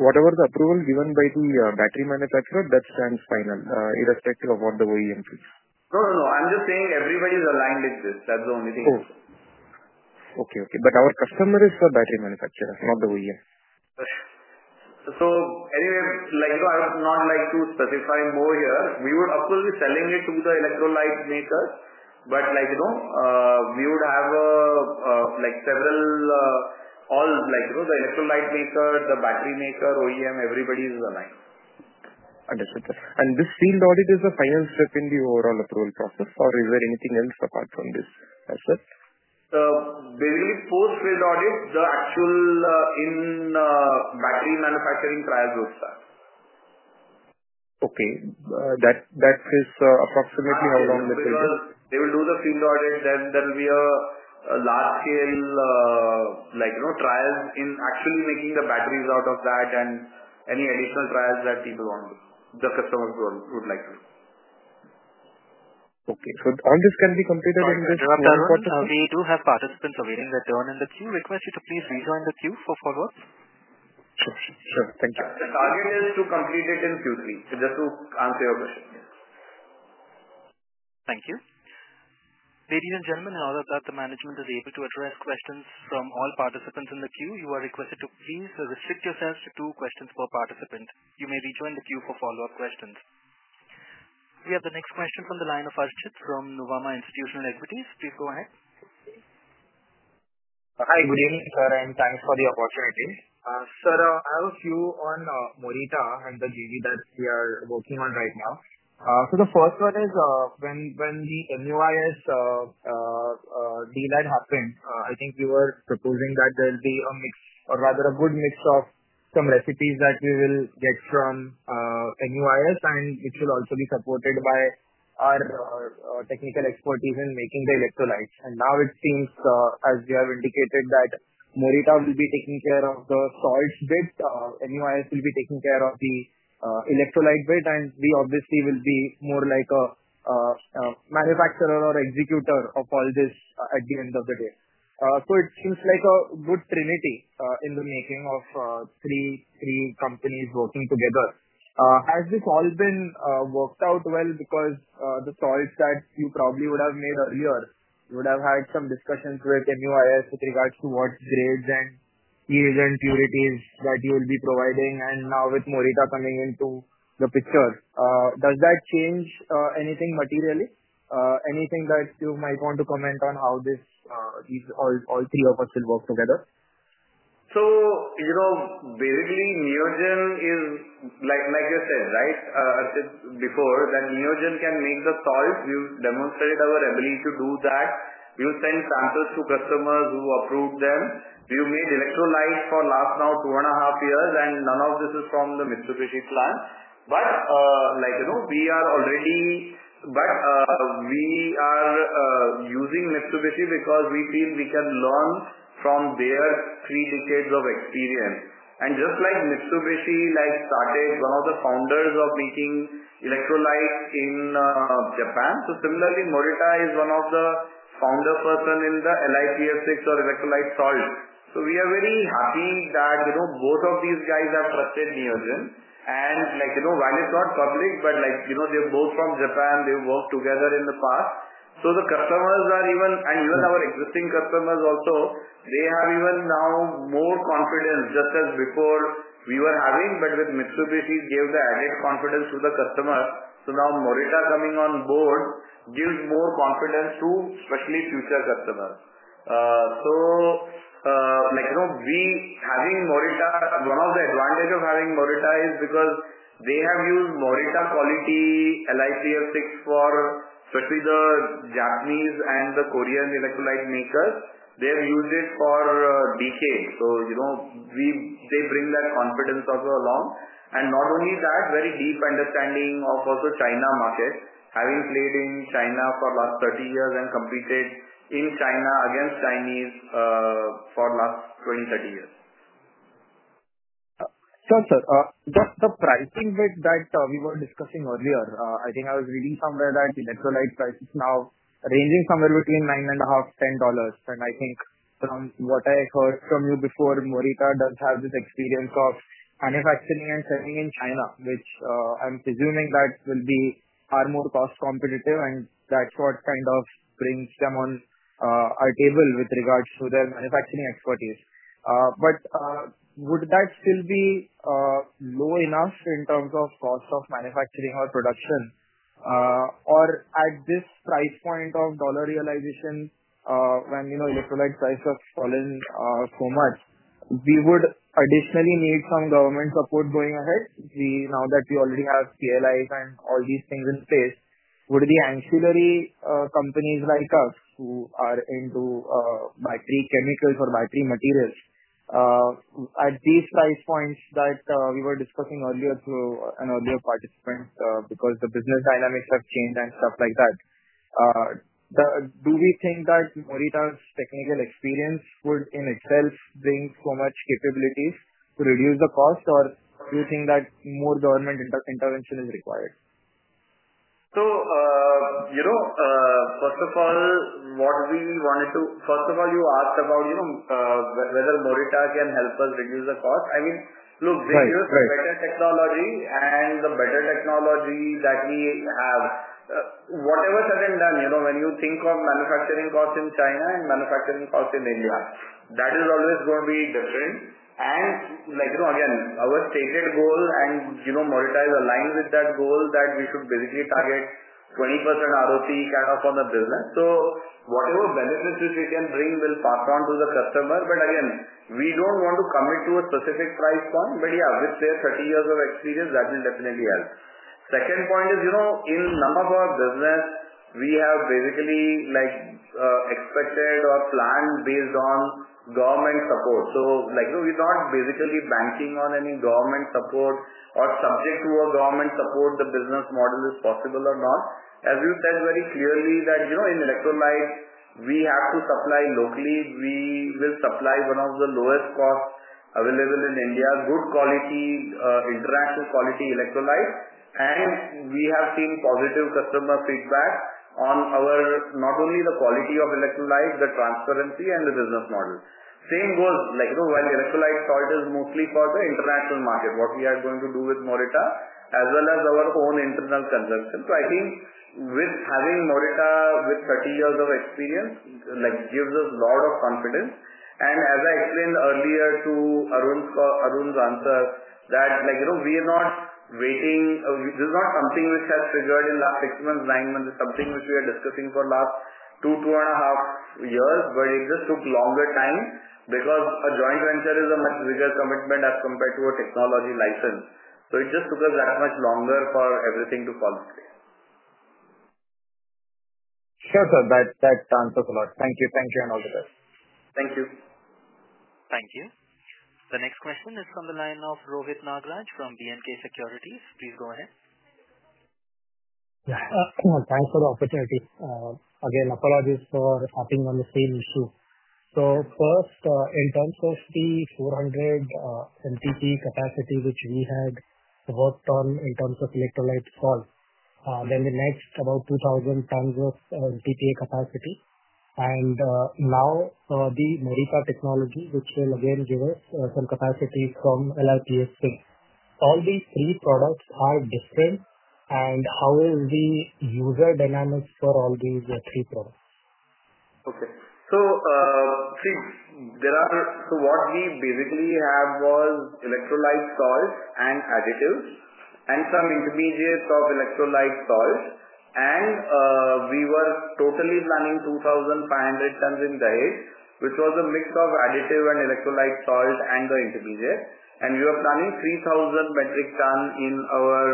Whatever the approval given by the battery manufacturer, that stands final irrespective of what the OEM says. No, no. I'm just saying everybody is aligned in this. That's the only thing. Okay. Okay. Our customer is the battery manufacturer, not the OEM. Anyway, I would not like to specify more here. We would absolutely be selling it to the electrolyte makers, but we would have several, all the electrolyte maker, the battery maker, OEM, everybody is aligned. Understood. Is this field audit a final step in the overall approval process, or is there anything else apart from this as well? Basically, post-field audit, the actual in-battery manufacturing trials will start. Okay. That is approximately how long the field audit? They will do the field audit. There will be large-scale trials in actually making the batteries out of that and any additional trials that people want to do, the customers would like to do. Okay. So all this can be completed in this time? We do have participants awaiting their turn. The queue requests you to please rejoin the queue for follow-up. Sure. Sure. Thank you. The target is to complete it in Q3, just to answer your question. Thank you. Ladies and gentlemen, in order that the management is able to address questions from all participants in the queue, you are requested to please restrict yourselves to two questions per participant. You may rejoin the queue for follow-up questions. We have the next question from the line of Arjit from Nuvama Institutional Equities. Please go ahead. Hi. Good evening, sir. Thanks for the opportunity. Sir, I have a few on Morita and the JV that we are working on right now. The first one is when the MUIS deal had happened, I think we were proposing that there will be a mix or rather a good mix of some recipes that we will get from MUIS, and it will also be supported by our technical expertise in making the electrolytes. Now it seems, as we have indicated, that Morita will be taking care of the salts bit. MUIS will be taking care of the electrolyte bit. We obviously will be more like a manufacturer or executor of all this at the end of the day. It seems like a good trinity in the making of three companies working together. Has this all been worked out well? Because the salts that you probably would have made earlier, you would have had some discussions with MUIS with regards to what grades and keys and purities that you will be providing. Now with Morita coming into the picture, does that change anything materially? Anything that you might want to comment on how these all three of us will work together? Basically, Neogen is, like you said, right, before, that Neogen can make the salt. We've demonstrated our ability to do that. We will send samples to customers who approve them. We've made electrolytes for the last now two and a half years, and none of this is from the Mitsubishi plant. We are already, but we are using Mitsubishi because we feel we can learn from their three decades of experience. Just like Mitsubishi started, one of the founders of making electrolytes in Japan. Similarly, Morita is one of the founder person in the LiPF6 or electrolyte salt. We are very happy that both of these guys have trusted Neogen. While it's not public, they are both from Japan. They've worked together in the past. The customers are even, and even our existing customers also, they have even now more confidence just as before we were having. With Mitsubishi, it gave the added confidence to the customer. Now Morita coming on board gives more confidence to especially future customers. Having Morita, one of the advantages of having Morita is because they have used Morita quality LiPF6 for especially the Japanese and the Korean electrolyte makers. They have used it for decades. They bring that confidence also along. Not only that, very deep understanding of also China market, having played in China for the last 30 years and competed in China against Chinese for the last 20-30 years. Sure, sir. Just the pricing bit that we were discussing earlier, I think I was reading somewhere that electrolyte prices now are ranging somewhere between $9.50-$10. And I think from what I heard from you before, Morita does have this experience of manufacturing and selling in China, which I'm presuming that will be far more cost competitive. That is what kind of brings them on our table with regards to their manufacturing expertise. Would that still be low enough in terms of cost of manufacturing or production? At this price point of dollar realization, when electrolyte prices have fallen so much, we would additionally need some government support going ahead? Now that we already have PLIs and all these things in place, would the ancillary companies like us who are into battery chemicals or battery materials at these price points that we were discussing earlier through an earlier participant because the business dynamics have changed and stuff like that, do we think that Morita's technical experience would in itself bring so much capabilities to reduce the cost, or do you think that more government intervention is required? First of all, you asked about whether Morita can help us reduce the cost. I mean, look, the better technology and the better technology that we have, whatever is said and done, when you think of manufacturing costs in China and manufacturing costs in India, that is always going to be different. Again, our stated goal, and Morita is aligned with that goal, is that we should basically target 20% ROCE kind of on the business. Whatever benefits which we can bring will pass on to the customer. Again, we do not want to commit to a specific price point. With their 30 years of experience, that will definitely help. Second point is, in none of our business, we have basically expected or planned based on government support. We're not basically banking on any government support or subject to a government support, the business model is possible or not. As you said very clearly that in electrolyte, we have to supply locally. We will supply one of the lowest costs available in India, good quality, international quality electrolytes. We have seen positive customer feedback on not only the quality of electrolytes, the transparency, and the business model. Same goes while electrolyte salt is mostly for the international market, what we are going to do with Morita, as well as our own internal consumption. I think with having Morita with 30 years of experience gives us a lot of confidence. As I explained earlier to Arun's answer, we are not waiting. This is not something which has triggered in the last six months, nine months. It's something which we are discussing for the last two, two and a half years. It just took longer time because a joint venture is a much bigger commitment as compared to a technology license. It just took us that much longer for everything to fall into place. Sure, sir. That answers a lot. Thank you. Thank you and all the best. Thank you. Thank you. The next question is from the line of Rohit Nagraj from B&K Securities. Please go ahead. Thanks for the opportunity. Again, apologies for hopping on the same issue. First, in terms of the 400 MTP capacity which we had worked on in terms of electrolyte salt, then the next about 2,000 tons of TPA capacity. Now the Morita technology, which will again give us some capacity from LiPF6. All these three products are different. How is the user dynamic for all these three products? Okay. See, what we basically have was electrolyte salt and additives and some intermediates of electrolyte salt. We were totally planning 2,500 tons in Dahej, which was a mix of additive and electrolyte salt and the intermediate. We were planning 3,000 metric tons in our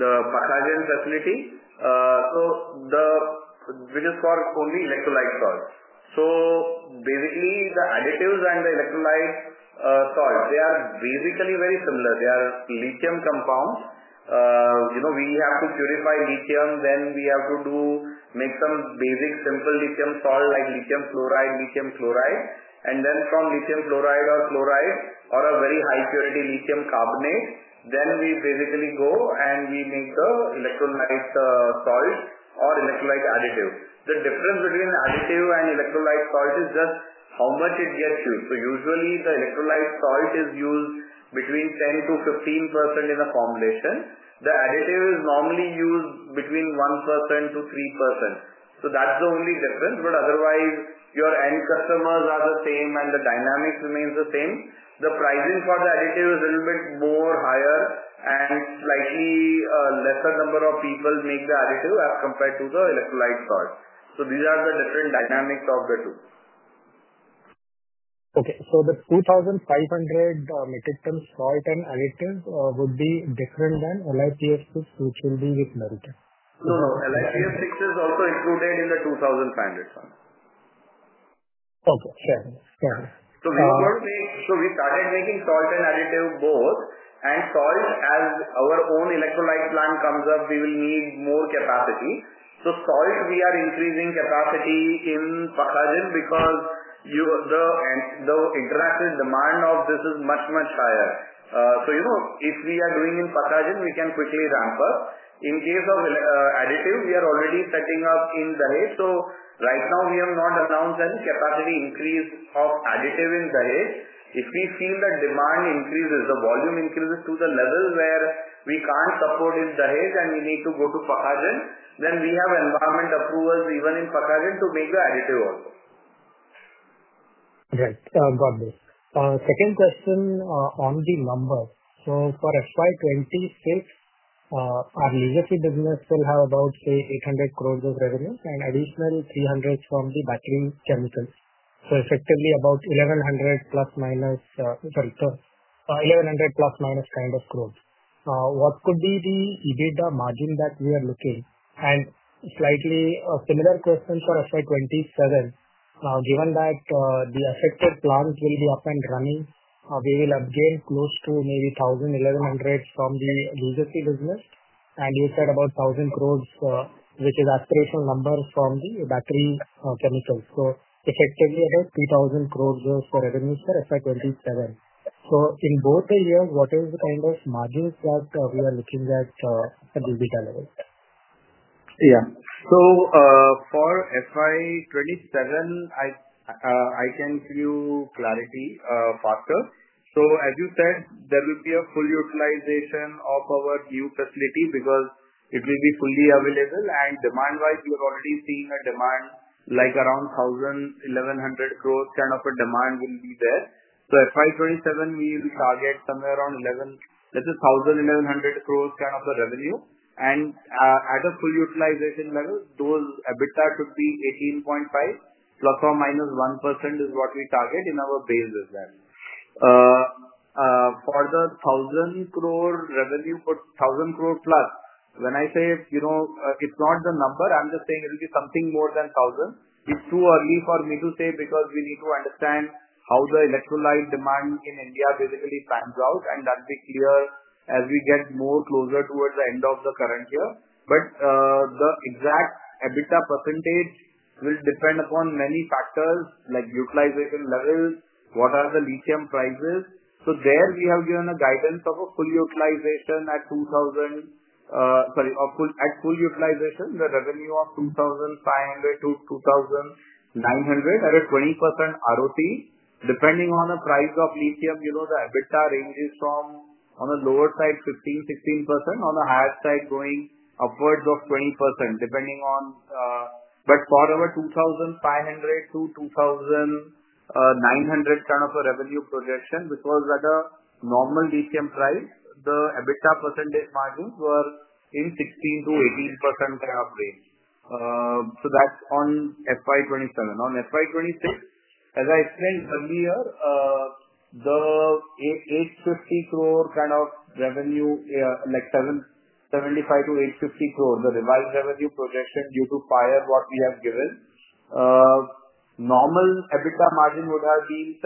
Pakhajan facility, which is for only electrolyte salt. Basically, the additives and the electrolyte salt, they are basically very similar. They are lithium compounds. We have to purify lithium. Then we have to make some basic simple lithium salt like lithium fluoride, lithium chloride. From lithium fluoride or chloride or a very high-purity lithium carbonate, then we basically go and we make the electrolyte salt or electrolyte additive. The difference between additive and electrolyte salt is just how much it gets used. Usually, the electrolyte salt is used between 10%-15% in the formulation. The additive is normally used between 1%-3%. That is the only difference. Otherwise, your end customers are the same, and the dynamics remain the same. The pricing for the additive is a little bit higher, and a slightly lesser number of people make the additive as compared to the electrolyte salt. These are the different dynamics of the two. Okay. So the 2,500 metric tons salt and additive would be different than LiPF6, which will be with Morita? No, no. LiPF6 is also included in the 2,500 tons. Okay. Fair enough. Fair enough. We started making salt and additive both. Salt, as our own electrolyte plant comes up, we will need more capacity. Salt, we are increasing capacity in Pakhajan because the international demand of this is much, much higher. If we are doing in Pakhajan, we can quickly ramp up. In case of additive, we are already setting up in Dahej. Right now, we have not announced any capacity increase of additive in Dahej. If we feel the demand increases, the volume increases to the level where we cannot support in Dahej, and we need to go to Pakhajan, then we have environment approvals even in Pakhajan to make the additive also. Yes. Got it. Second question on the numbers. For FY26, our legacy business will have about, say, 800 crore of revenue and additional 300 crore from the battery chemicals. Effectively about 1,100 crore±, sorry, 1,100 crore± kind of growth. What could be the EBITDA margin that we are looking? Slightly similar question for FY27. Given that the affected plants will be up and running, we will again close to maybe 1,000 crore, 1,100 crore from the legacy business. You said about 1,000 crore, which is aspirational number from the battery chemicals. Effectively about 3,000 crore of revenue for FY 2027. In both the years, what is the kind of margins that we are looking at at the EBITDA level? Yeah. For FY27, I can give you clarity faster. As you said, there will be a full utilization of our new facility because it will be fully available. Demand-wise, we are already seeing a demand like around 1,000 crore-1,100 crore kind of a demand will be there. For FY27, we will target somewhere around 1,000 crore-1,100 crore kind of a revenue. At a full utilization level, those EBITDA should be 18.5% ±1% is what we target in our base with that. For the 1,000 crore revenue, for 1,000 crore+, when I say it is not the number, I am just saying it will be something more than 1,000 crore. It is too early for me to say because we need to understand how the electrolyte demand in India basically pans out. That will be clear as we get more closer towards the end of the current year. But the exact EBITDA percentage will depend upon many factors like utilization level, what are the lithium prices. There we have given a guidance of a full utilization at 2,000, sorry, at full utilization, the revenue of 2,500 crore-2,900 crore at a 20% ROC. Depending on the price of lithium, the EBITDA ranges from on the lower side 15%-16%, on the higher side going upwards of 20% depending on, but for our 2,500 crore-2,900 crore kind of a revenue projection, which was at a normal lithium price, the EBITDA percentage margins were in 16%-18% kind of range. That is on FY27. On FY26, as I explained earlier, the 750 crore-850 crore kind of revenue, like 750 to 850 crore, the revised revenue projection due to fire, what we have given, normal EBITDA margin would have been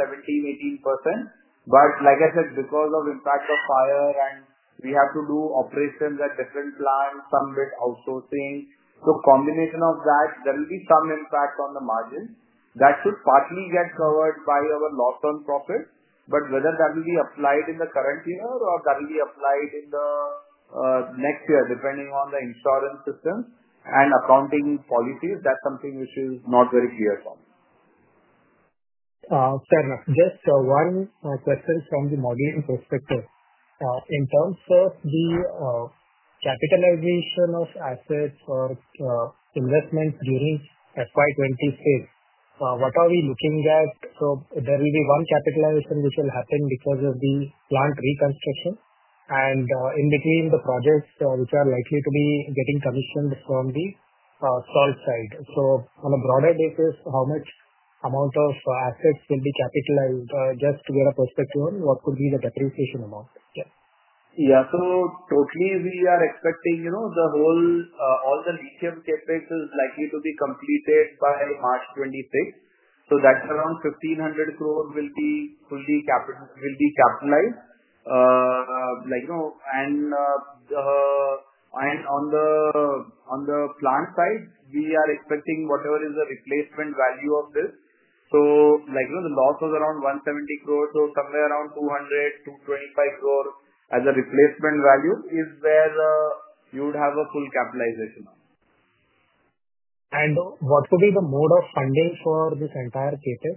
17%-18%. But like I said, because of impact of fire, and we have to do operations at different plants, some bit outsourcing. So combination of that, there will be some impact on the margin. That should partly get covered by our loss on profit. But whether that will be applied in the current year or that will be applied in the next year, depending on the insurance systems and accounting policies, that is something which is not very clear to us. Fair enough. Just one question from the modeling perspective. In terms of the capitalization of assets or investments during FY26, what are we looking at? So there will be one capitalization which will happen because of the plant reconstruction and in between the projects which are likely to be getting commissioned from the salt side. So on a broader basis, how much amount of assets will be capitalized? Just to get a perspective on what could be the depreciation amount. Yeah. Yeah. So totally we are expecting the whole all the lithium CapEx is likely to be completed by March 2026. So that's around 1,500 crore will be fully capitalized. On the plant side, we are expecting whatever is the replacement value of this. The loss was around 170 crore. Somewhere around 200 crore-225 crore as a replacement value is where you would have a full capitalization. What could be the mode of funding for this entire CapEx?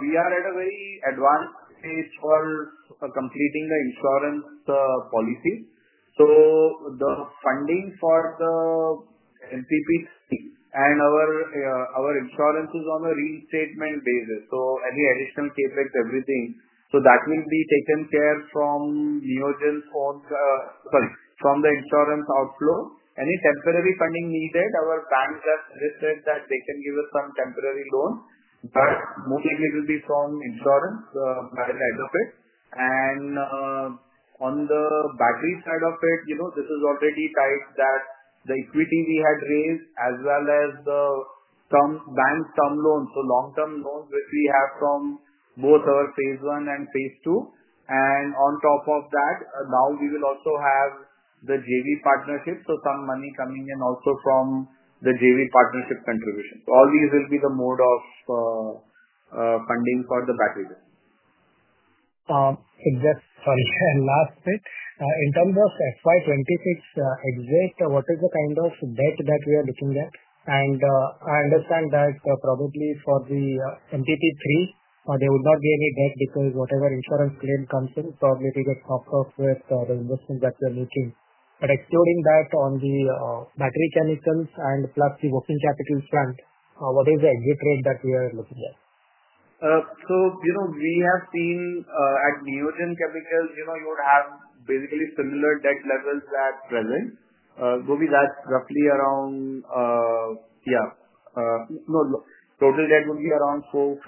We are at a very advanced stage for completing the insurance policy. The funding for the MTP and our insurance is on a reinstatement basis. Any additional capex, everything, that will be taken care of from Neogen's own, sorry, from the insurance outflow. Any temporary funding needed, our banks have said that they can give us some temporary loans. Most likely it will be from insurance by the side of it. On the battery side of it, this is already tight that the equity we had raised as well as the bank term loans, so long-term loans which we have from both our phase one and phase two. On top of that, now we will also have the JV partnership, so some money coming in also from the JV partnership contribution. All these will be the mode of funding for the battery business. Sorry. Last bit. In terms of FY 2026 exit, what is the kind of debt that we are looking at? I understand that probably for the MTP3, there would not be any debt because whatever insurance claim comes in, probably it will get knocked off with the investment that we are making. Excluding that, on the battery chemicals and plus the working capital front, what is the exit rate that we are looking at? We have seen at Neogen Chemicals, you would have basically similar debt levels at present. It will be that roughly around, yeah, no, total debt would be around 450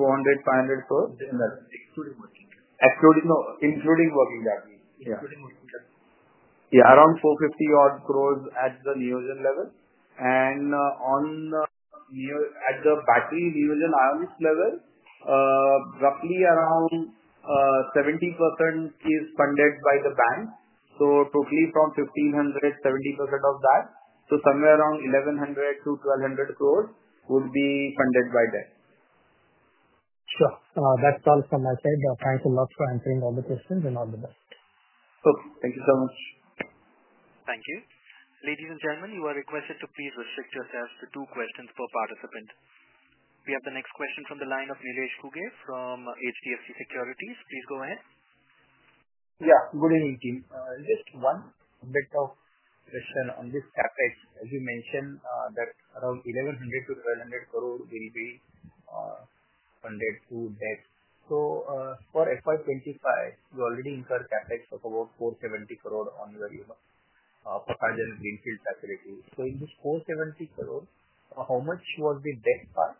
crore-500 crore in that. Including working capital. Including working capital. Yeah. Including working capital. Yeah. Around INR 450 crore at the Neogen level. At the battery Neogen Ionics level, roughly around 70% is funded by the bank. Totally from 1,500 crore, 70% of that. Somewhere around 1,100-1,200 crore would be funded by debt. Sure. That's all from my side. Thanks a lot for answering all the questions and all the best. Okay. Thank you so much. Thank you. Ladies and gentlemen, you are requested to please restrict yourselves to two questions per participant. We have the next question from the line of Nilesh Ghuge from HDFC Securities. Please go ahead. Yeah. Good evening, team. Just one bit of question on this CapEx. As you mentioned that around 1,100-1,200 crore will be funded through debt. For FY25, you already incurred CapEx of about 470 crore on your Pakhajan Greenfield facility. In this 470 crore, how much was the debt part?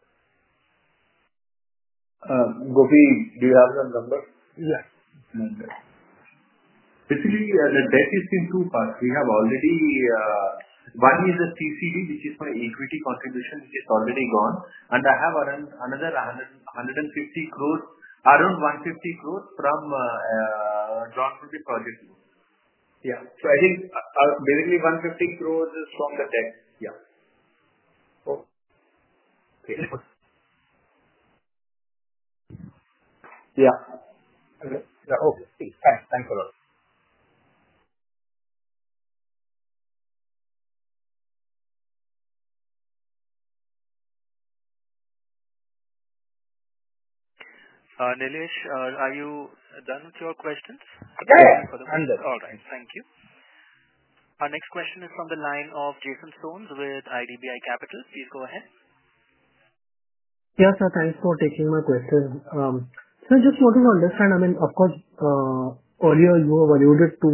Gopi, do you have the number? Yeah. Basically, the debt is in two parts. We have already one is a TCD, which is my equity contribution, which is already gone. I have another 150 crore, around 150 crore drawn from the project loan. Yeah. I think basically 150 crore is from the debt. Yeah. Okay. Yeah. Okay. Yeah. Okay. Thanks. Thanks a lot. Nilesh, are you done with your questions? Yes. I'm done. All right. Thank you. Our next question is from the line of Jason Soans with IDBI Capital. Please go ahead. Yes, sir. Thanks for taking my question. I just wanted to understand. I mean, of course, earlier you alluded to,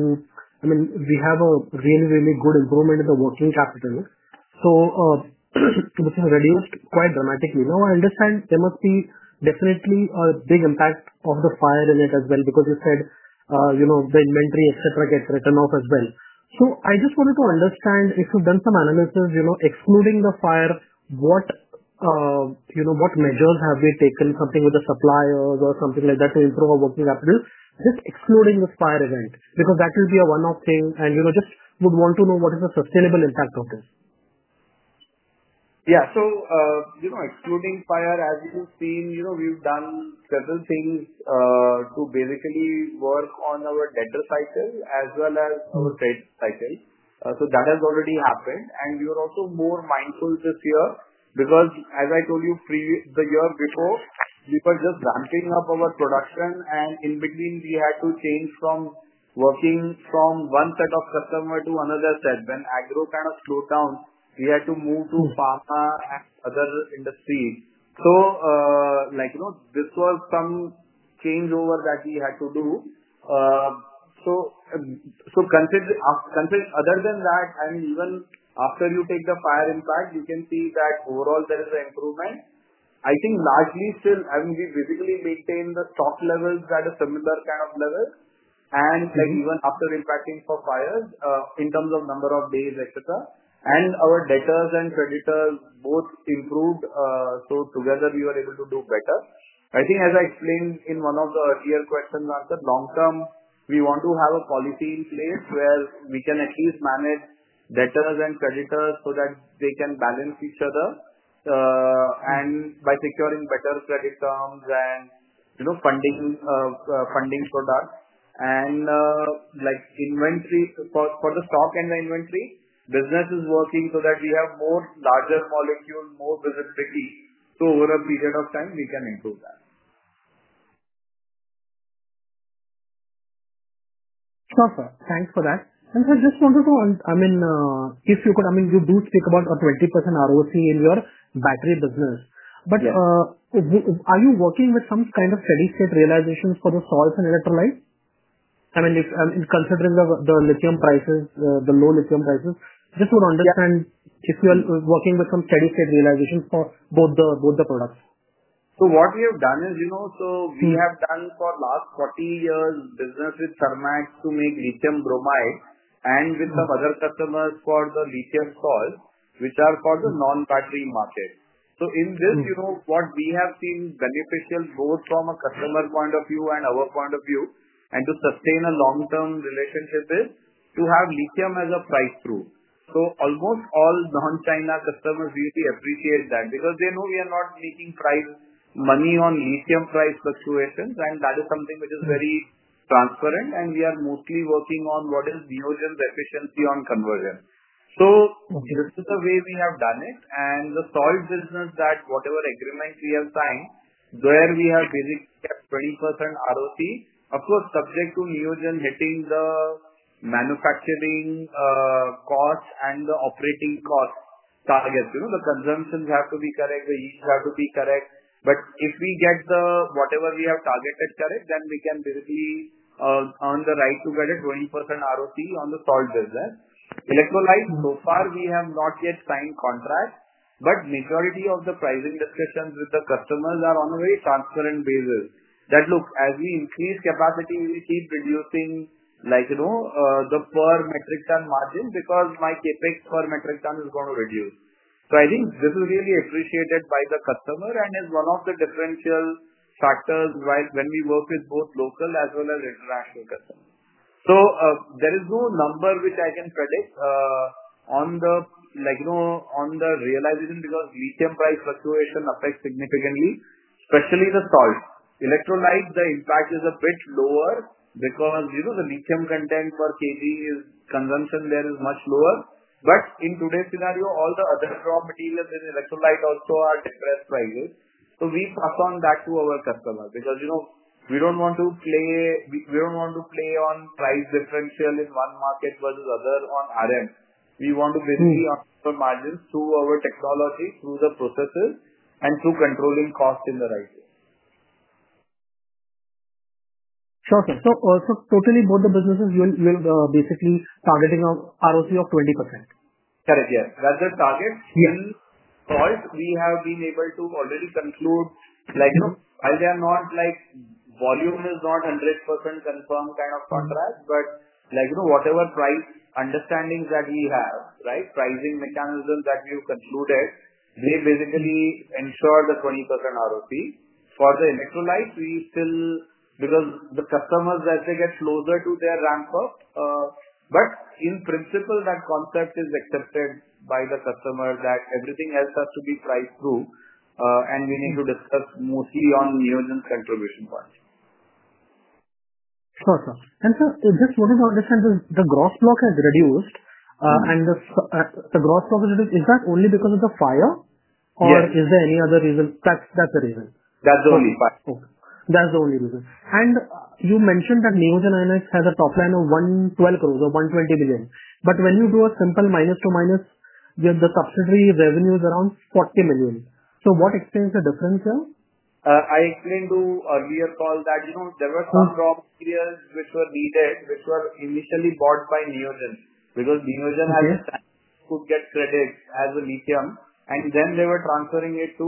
I mean, we have a really, really good improvement in the working capital. This has reduced quite dramatically. Now I understand there must be definitely a big impact of the fire in it as well because you said the inventory, etc., gets written off as well. I just wanted to understand if you've done some analysis, excluding the fire, what measures have we taken, something with the suppliers or something like that to improve our working capital? Just excluding this fire event because that will be a one-off thing. I just would want to know what is the sustainable impact of this. Yeah. Excluding fire, as you have seen, we have done several things to basically work on our debtor cycle as well as our credit cycle. That has already happened. We were also more mindful this year because, as I told you the year before, we were just ramping up our production. In between, we had to change from working from one set of customer to another set. When agro kind of slowed down, we had to move to pharma and other industries. This was some changeover that we had to do. Other than that, I mean, even after you take the fire impact, you can see that overall there is an improvement. I think largely still, I mean, we basically maintain the stock levels at a similar kind of level. Even after impacting for fires, in terms of number of days, etc., and our debtors and creditors both improved. Together, we were able to do better. I think, as I explained in one of the earlier questions answered, long term, we want to have a policy in place where we can at least manage debtors and creditors so that they can balance each other by securing better credit terms and funding products. For the stock and the inventory, business is working so that we have more larger molecule, more visibility. Over a period of time, we can improve that. Sure, sir. Thanks for that. I just wanted to, I mean, if you could, I mean, you do speak about a 20% ROCE in your battery business. Are you working with some kind of steady-state realizations for the salts and electrolytes? I mean, considering the lithium prices, the low lithium prices. Just would understand if you are working with some steady-state realizations for both the products. What we have done is, we have done for the last 40 years business with Thermax to make lithium bromide and with some other customers for the lithium salts, which are for the non-battery market. In this, what we have seen beneficial both from a customer point of view and our point of view, and to sustain a long-term relationship, is to have lithium as a price proof. Almost all non-China customers really appreciate that because they know we are not making price money on lithium price fluctuations. That is something which is very transparent. We are mostly working on what is Neogen's efficiency on conversion. This is the way we have done it. The salt business, that whatever agreement we have signed, where we have basically kept 20% ROCE, of course, subject to Neogen hitting the manufacturing costs and the operating cost targets. The consumptions have to be correct. The EEs have to be correct. If we get whatever we have targeted correct, then we can basically earn the right to get a 20% ROCE on the salt business. Electrolytes, so far, we have not yet signed contracts. The majority of the pricing discussions with the customers are on a very transparent basis that, look, as we increase capacity, we will keep reducing the per metric ton margin because my CapEx per metric ton is going to reduce. I think this is really appreciated by the customer and is one of the differential factors when we work with both local as well as international customers. There is no number which I can predict on the realization because lithium price fluctuation affects significantly, especially the salt. Electrolytes, the impact is a bit lower because the lithium content per kg consumption there is much lower. In today's scenario, all the other raw materials in electrolyte also are depressed prices. We pass on that to our customers because we do not want to play on price differential in one market versus other on RM. We want to basically earn our margins through our technology, through the processes, and through controlling cost in the right way. Sure. Okay. So totally both the businesses will basically targeting a ROCE of 20%. Correct. Yes. That is the target. In salts, we have been able to already conclude, while the volume is not 100% confirmed kind of contract. But whatever price understandings that we have, right, pricing mechanisms that we have concluded, they basically ensure the 20% ROCE. For the electrolytes, we still, because the customers, as they get closer to their ramp-up, but in principle, that concept is accepted by the customer that everything else has to be priced through. We need to discuss mostly on Neogen's contribution point. Sure, sir. Sir, just wanted to understand the gross block has reduced. The gross block is reduced. Is that only because of the fire? Or is there any other reason? That's the reason. That's the only. Okay. That's the only reason. You mentioned that Neogen Ionics has a top line of 112 crore or 120 million. When you do a simple minus to minus, the subsidiary revenue is around 40 million. What explains the difference here? I explained to earlier call that there were some raw materials which were needed, which were initially bought by Neogen because Neogen had a stance to get credit as a lithium. And then they were transferring it to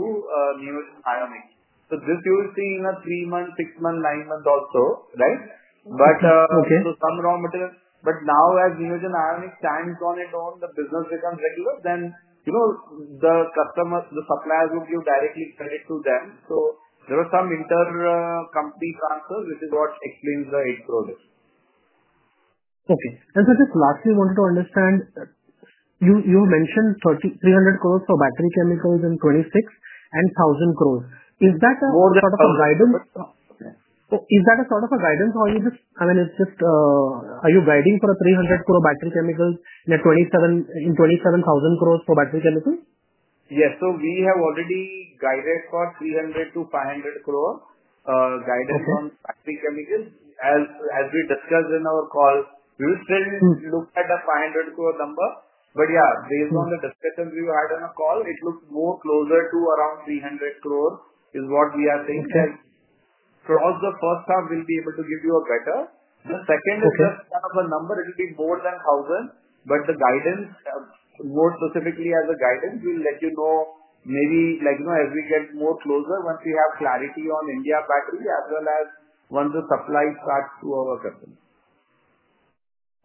Neogen Ionics. This you will see in a three-month, six-month, nine-month also, right? Okay. Some raw materials. Now, as Neogen Ionics stands on its own, the business becomes regular, then the customer, the suppliers will give directly credit to them. There are some intercompany transfers, which is what explains the 8 crore there. Okay. Sir, just lastly, wanted to understand. You mentioned 300 crore for battery chemicals and 26 and 1,000 crore. Is that a sort of a guidance? More than that. Is that a sort of a guidance or are you just, I mean, it's just, are you guiding for 300 crore battery chemicals and 27,000 crore for battery chemicals? Yes. We have already guided for 300 crore-500 crore guidance on battery chemicals. As we discussed in our call, we will still look at a 500 crore number. Based on the discussions we had on a call, it looks more closer to around 300 crore is what we are saying that across the first half, we will be able to give you a better. The second is just kind of a number. It will be more than 1,000. The guidance, more specifically as a guidance, we will let you know maybe as we get more closer, once we have clarity on India battery as well as once the supply starts to our customers.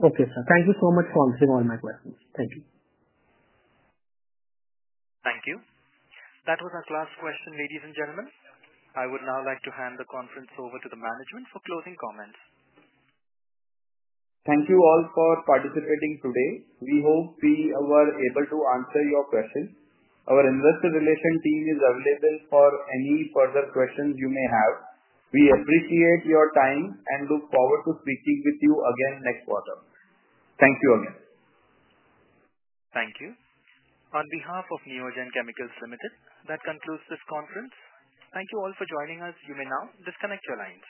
Okay, sir. Thank you so much for answering all my questions. Thank you. Thank you. That was our last question, ladies and gentlemen. I would now like to hand the conference over to the management for closing comments. Thank you all for participating today. We hope we were able to answer your questions. Our investor relation team is available for any further questions you may have. We appreciate your time and look forward to speaking with you again next quarter. Thank you again. Thank you. On behalf of Neogen Chemicals Ltd, that concludes this conference. Thank you all for joining us. You may now disconnect your lines.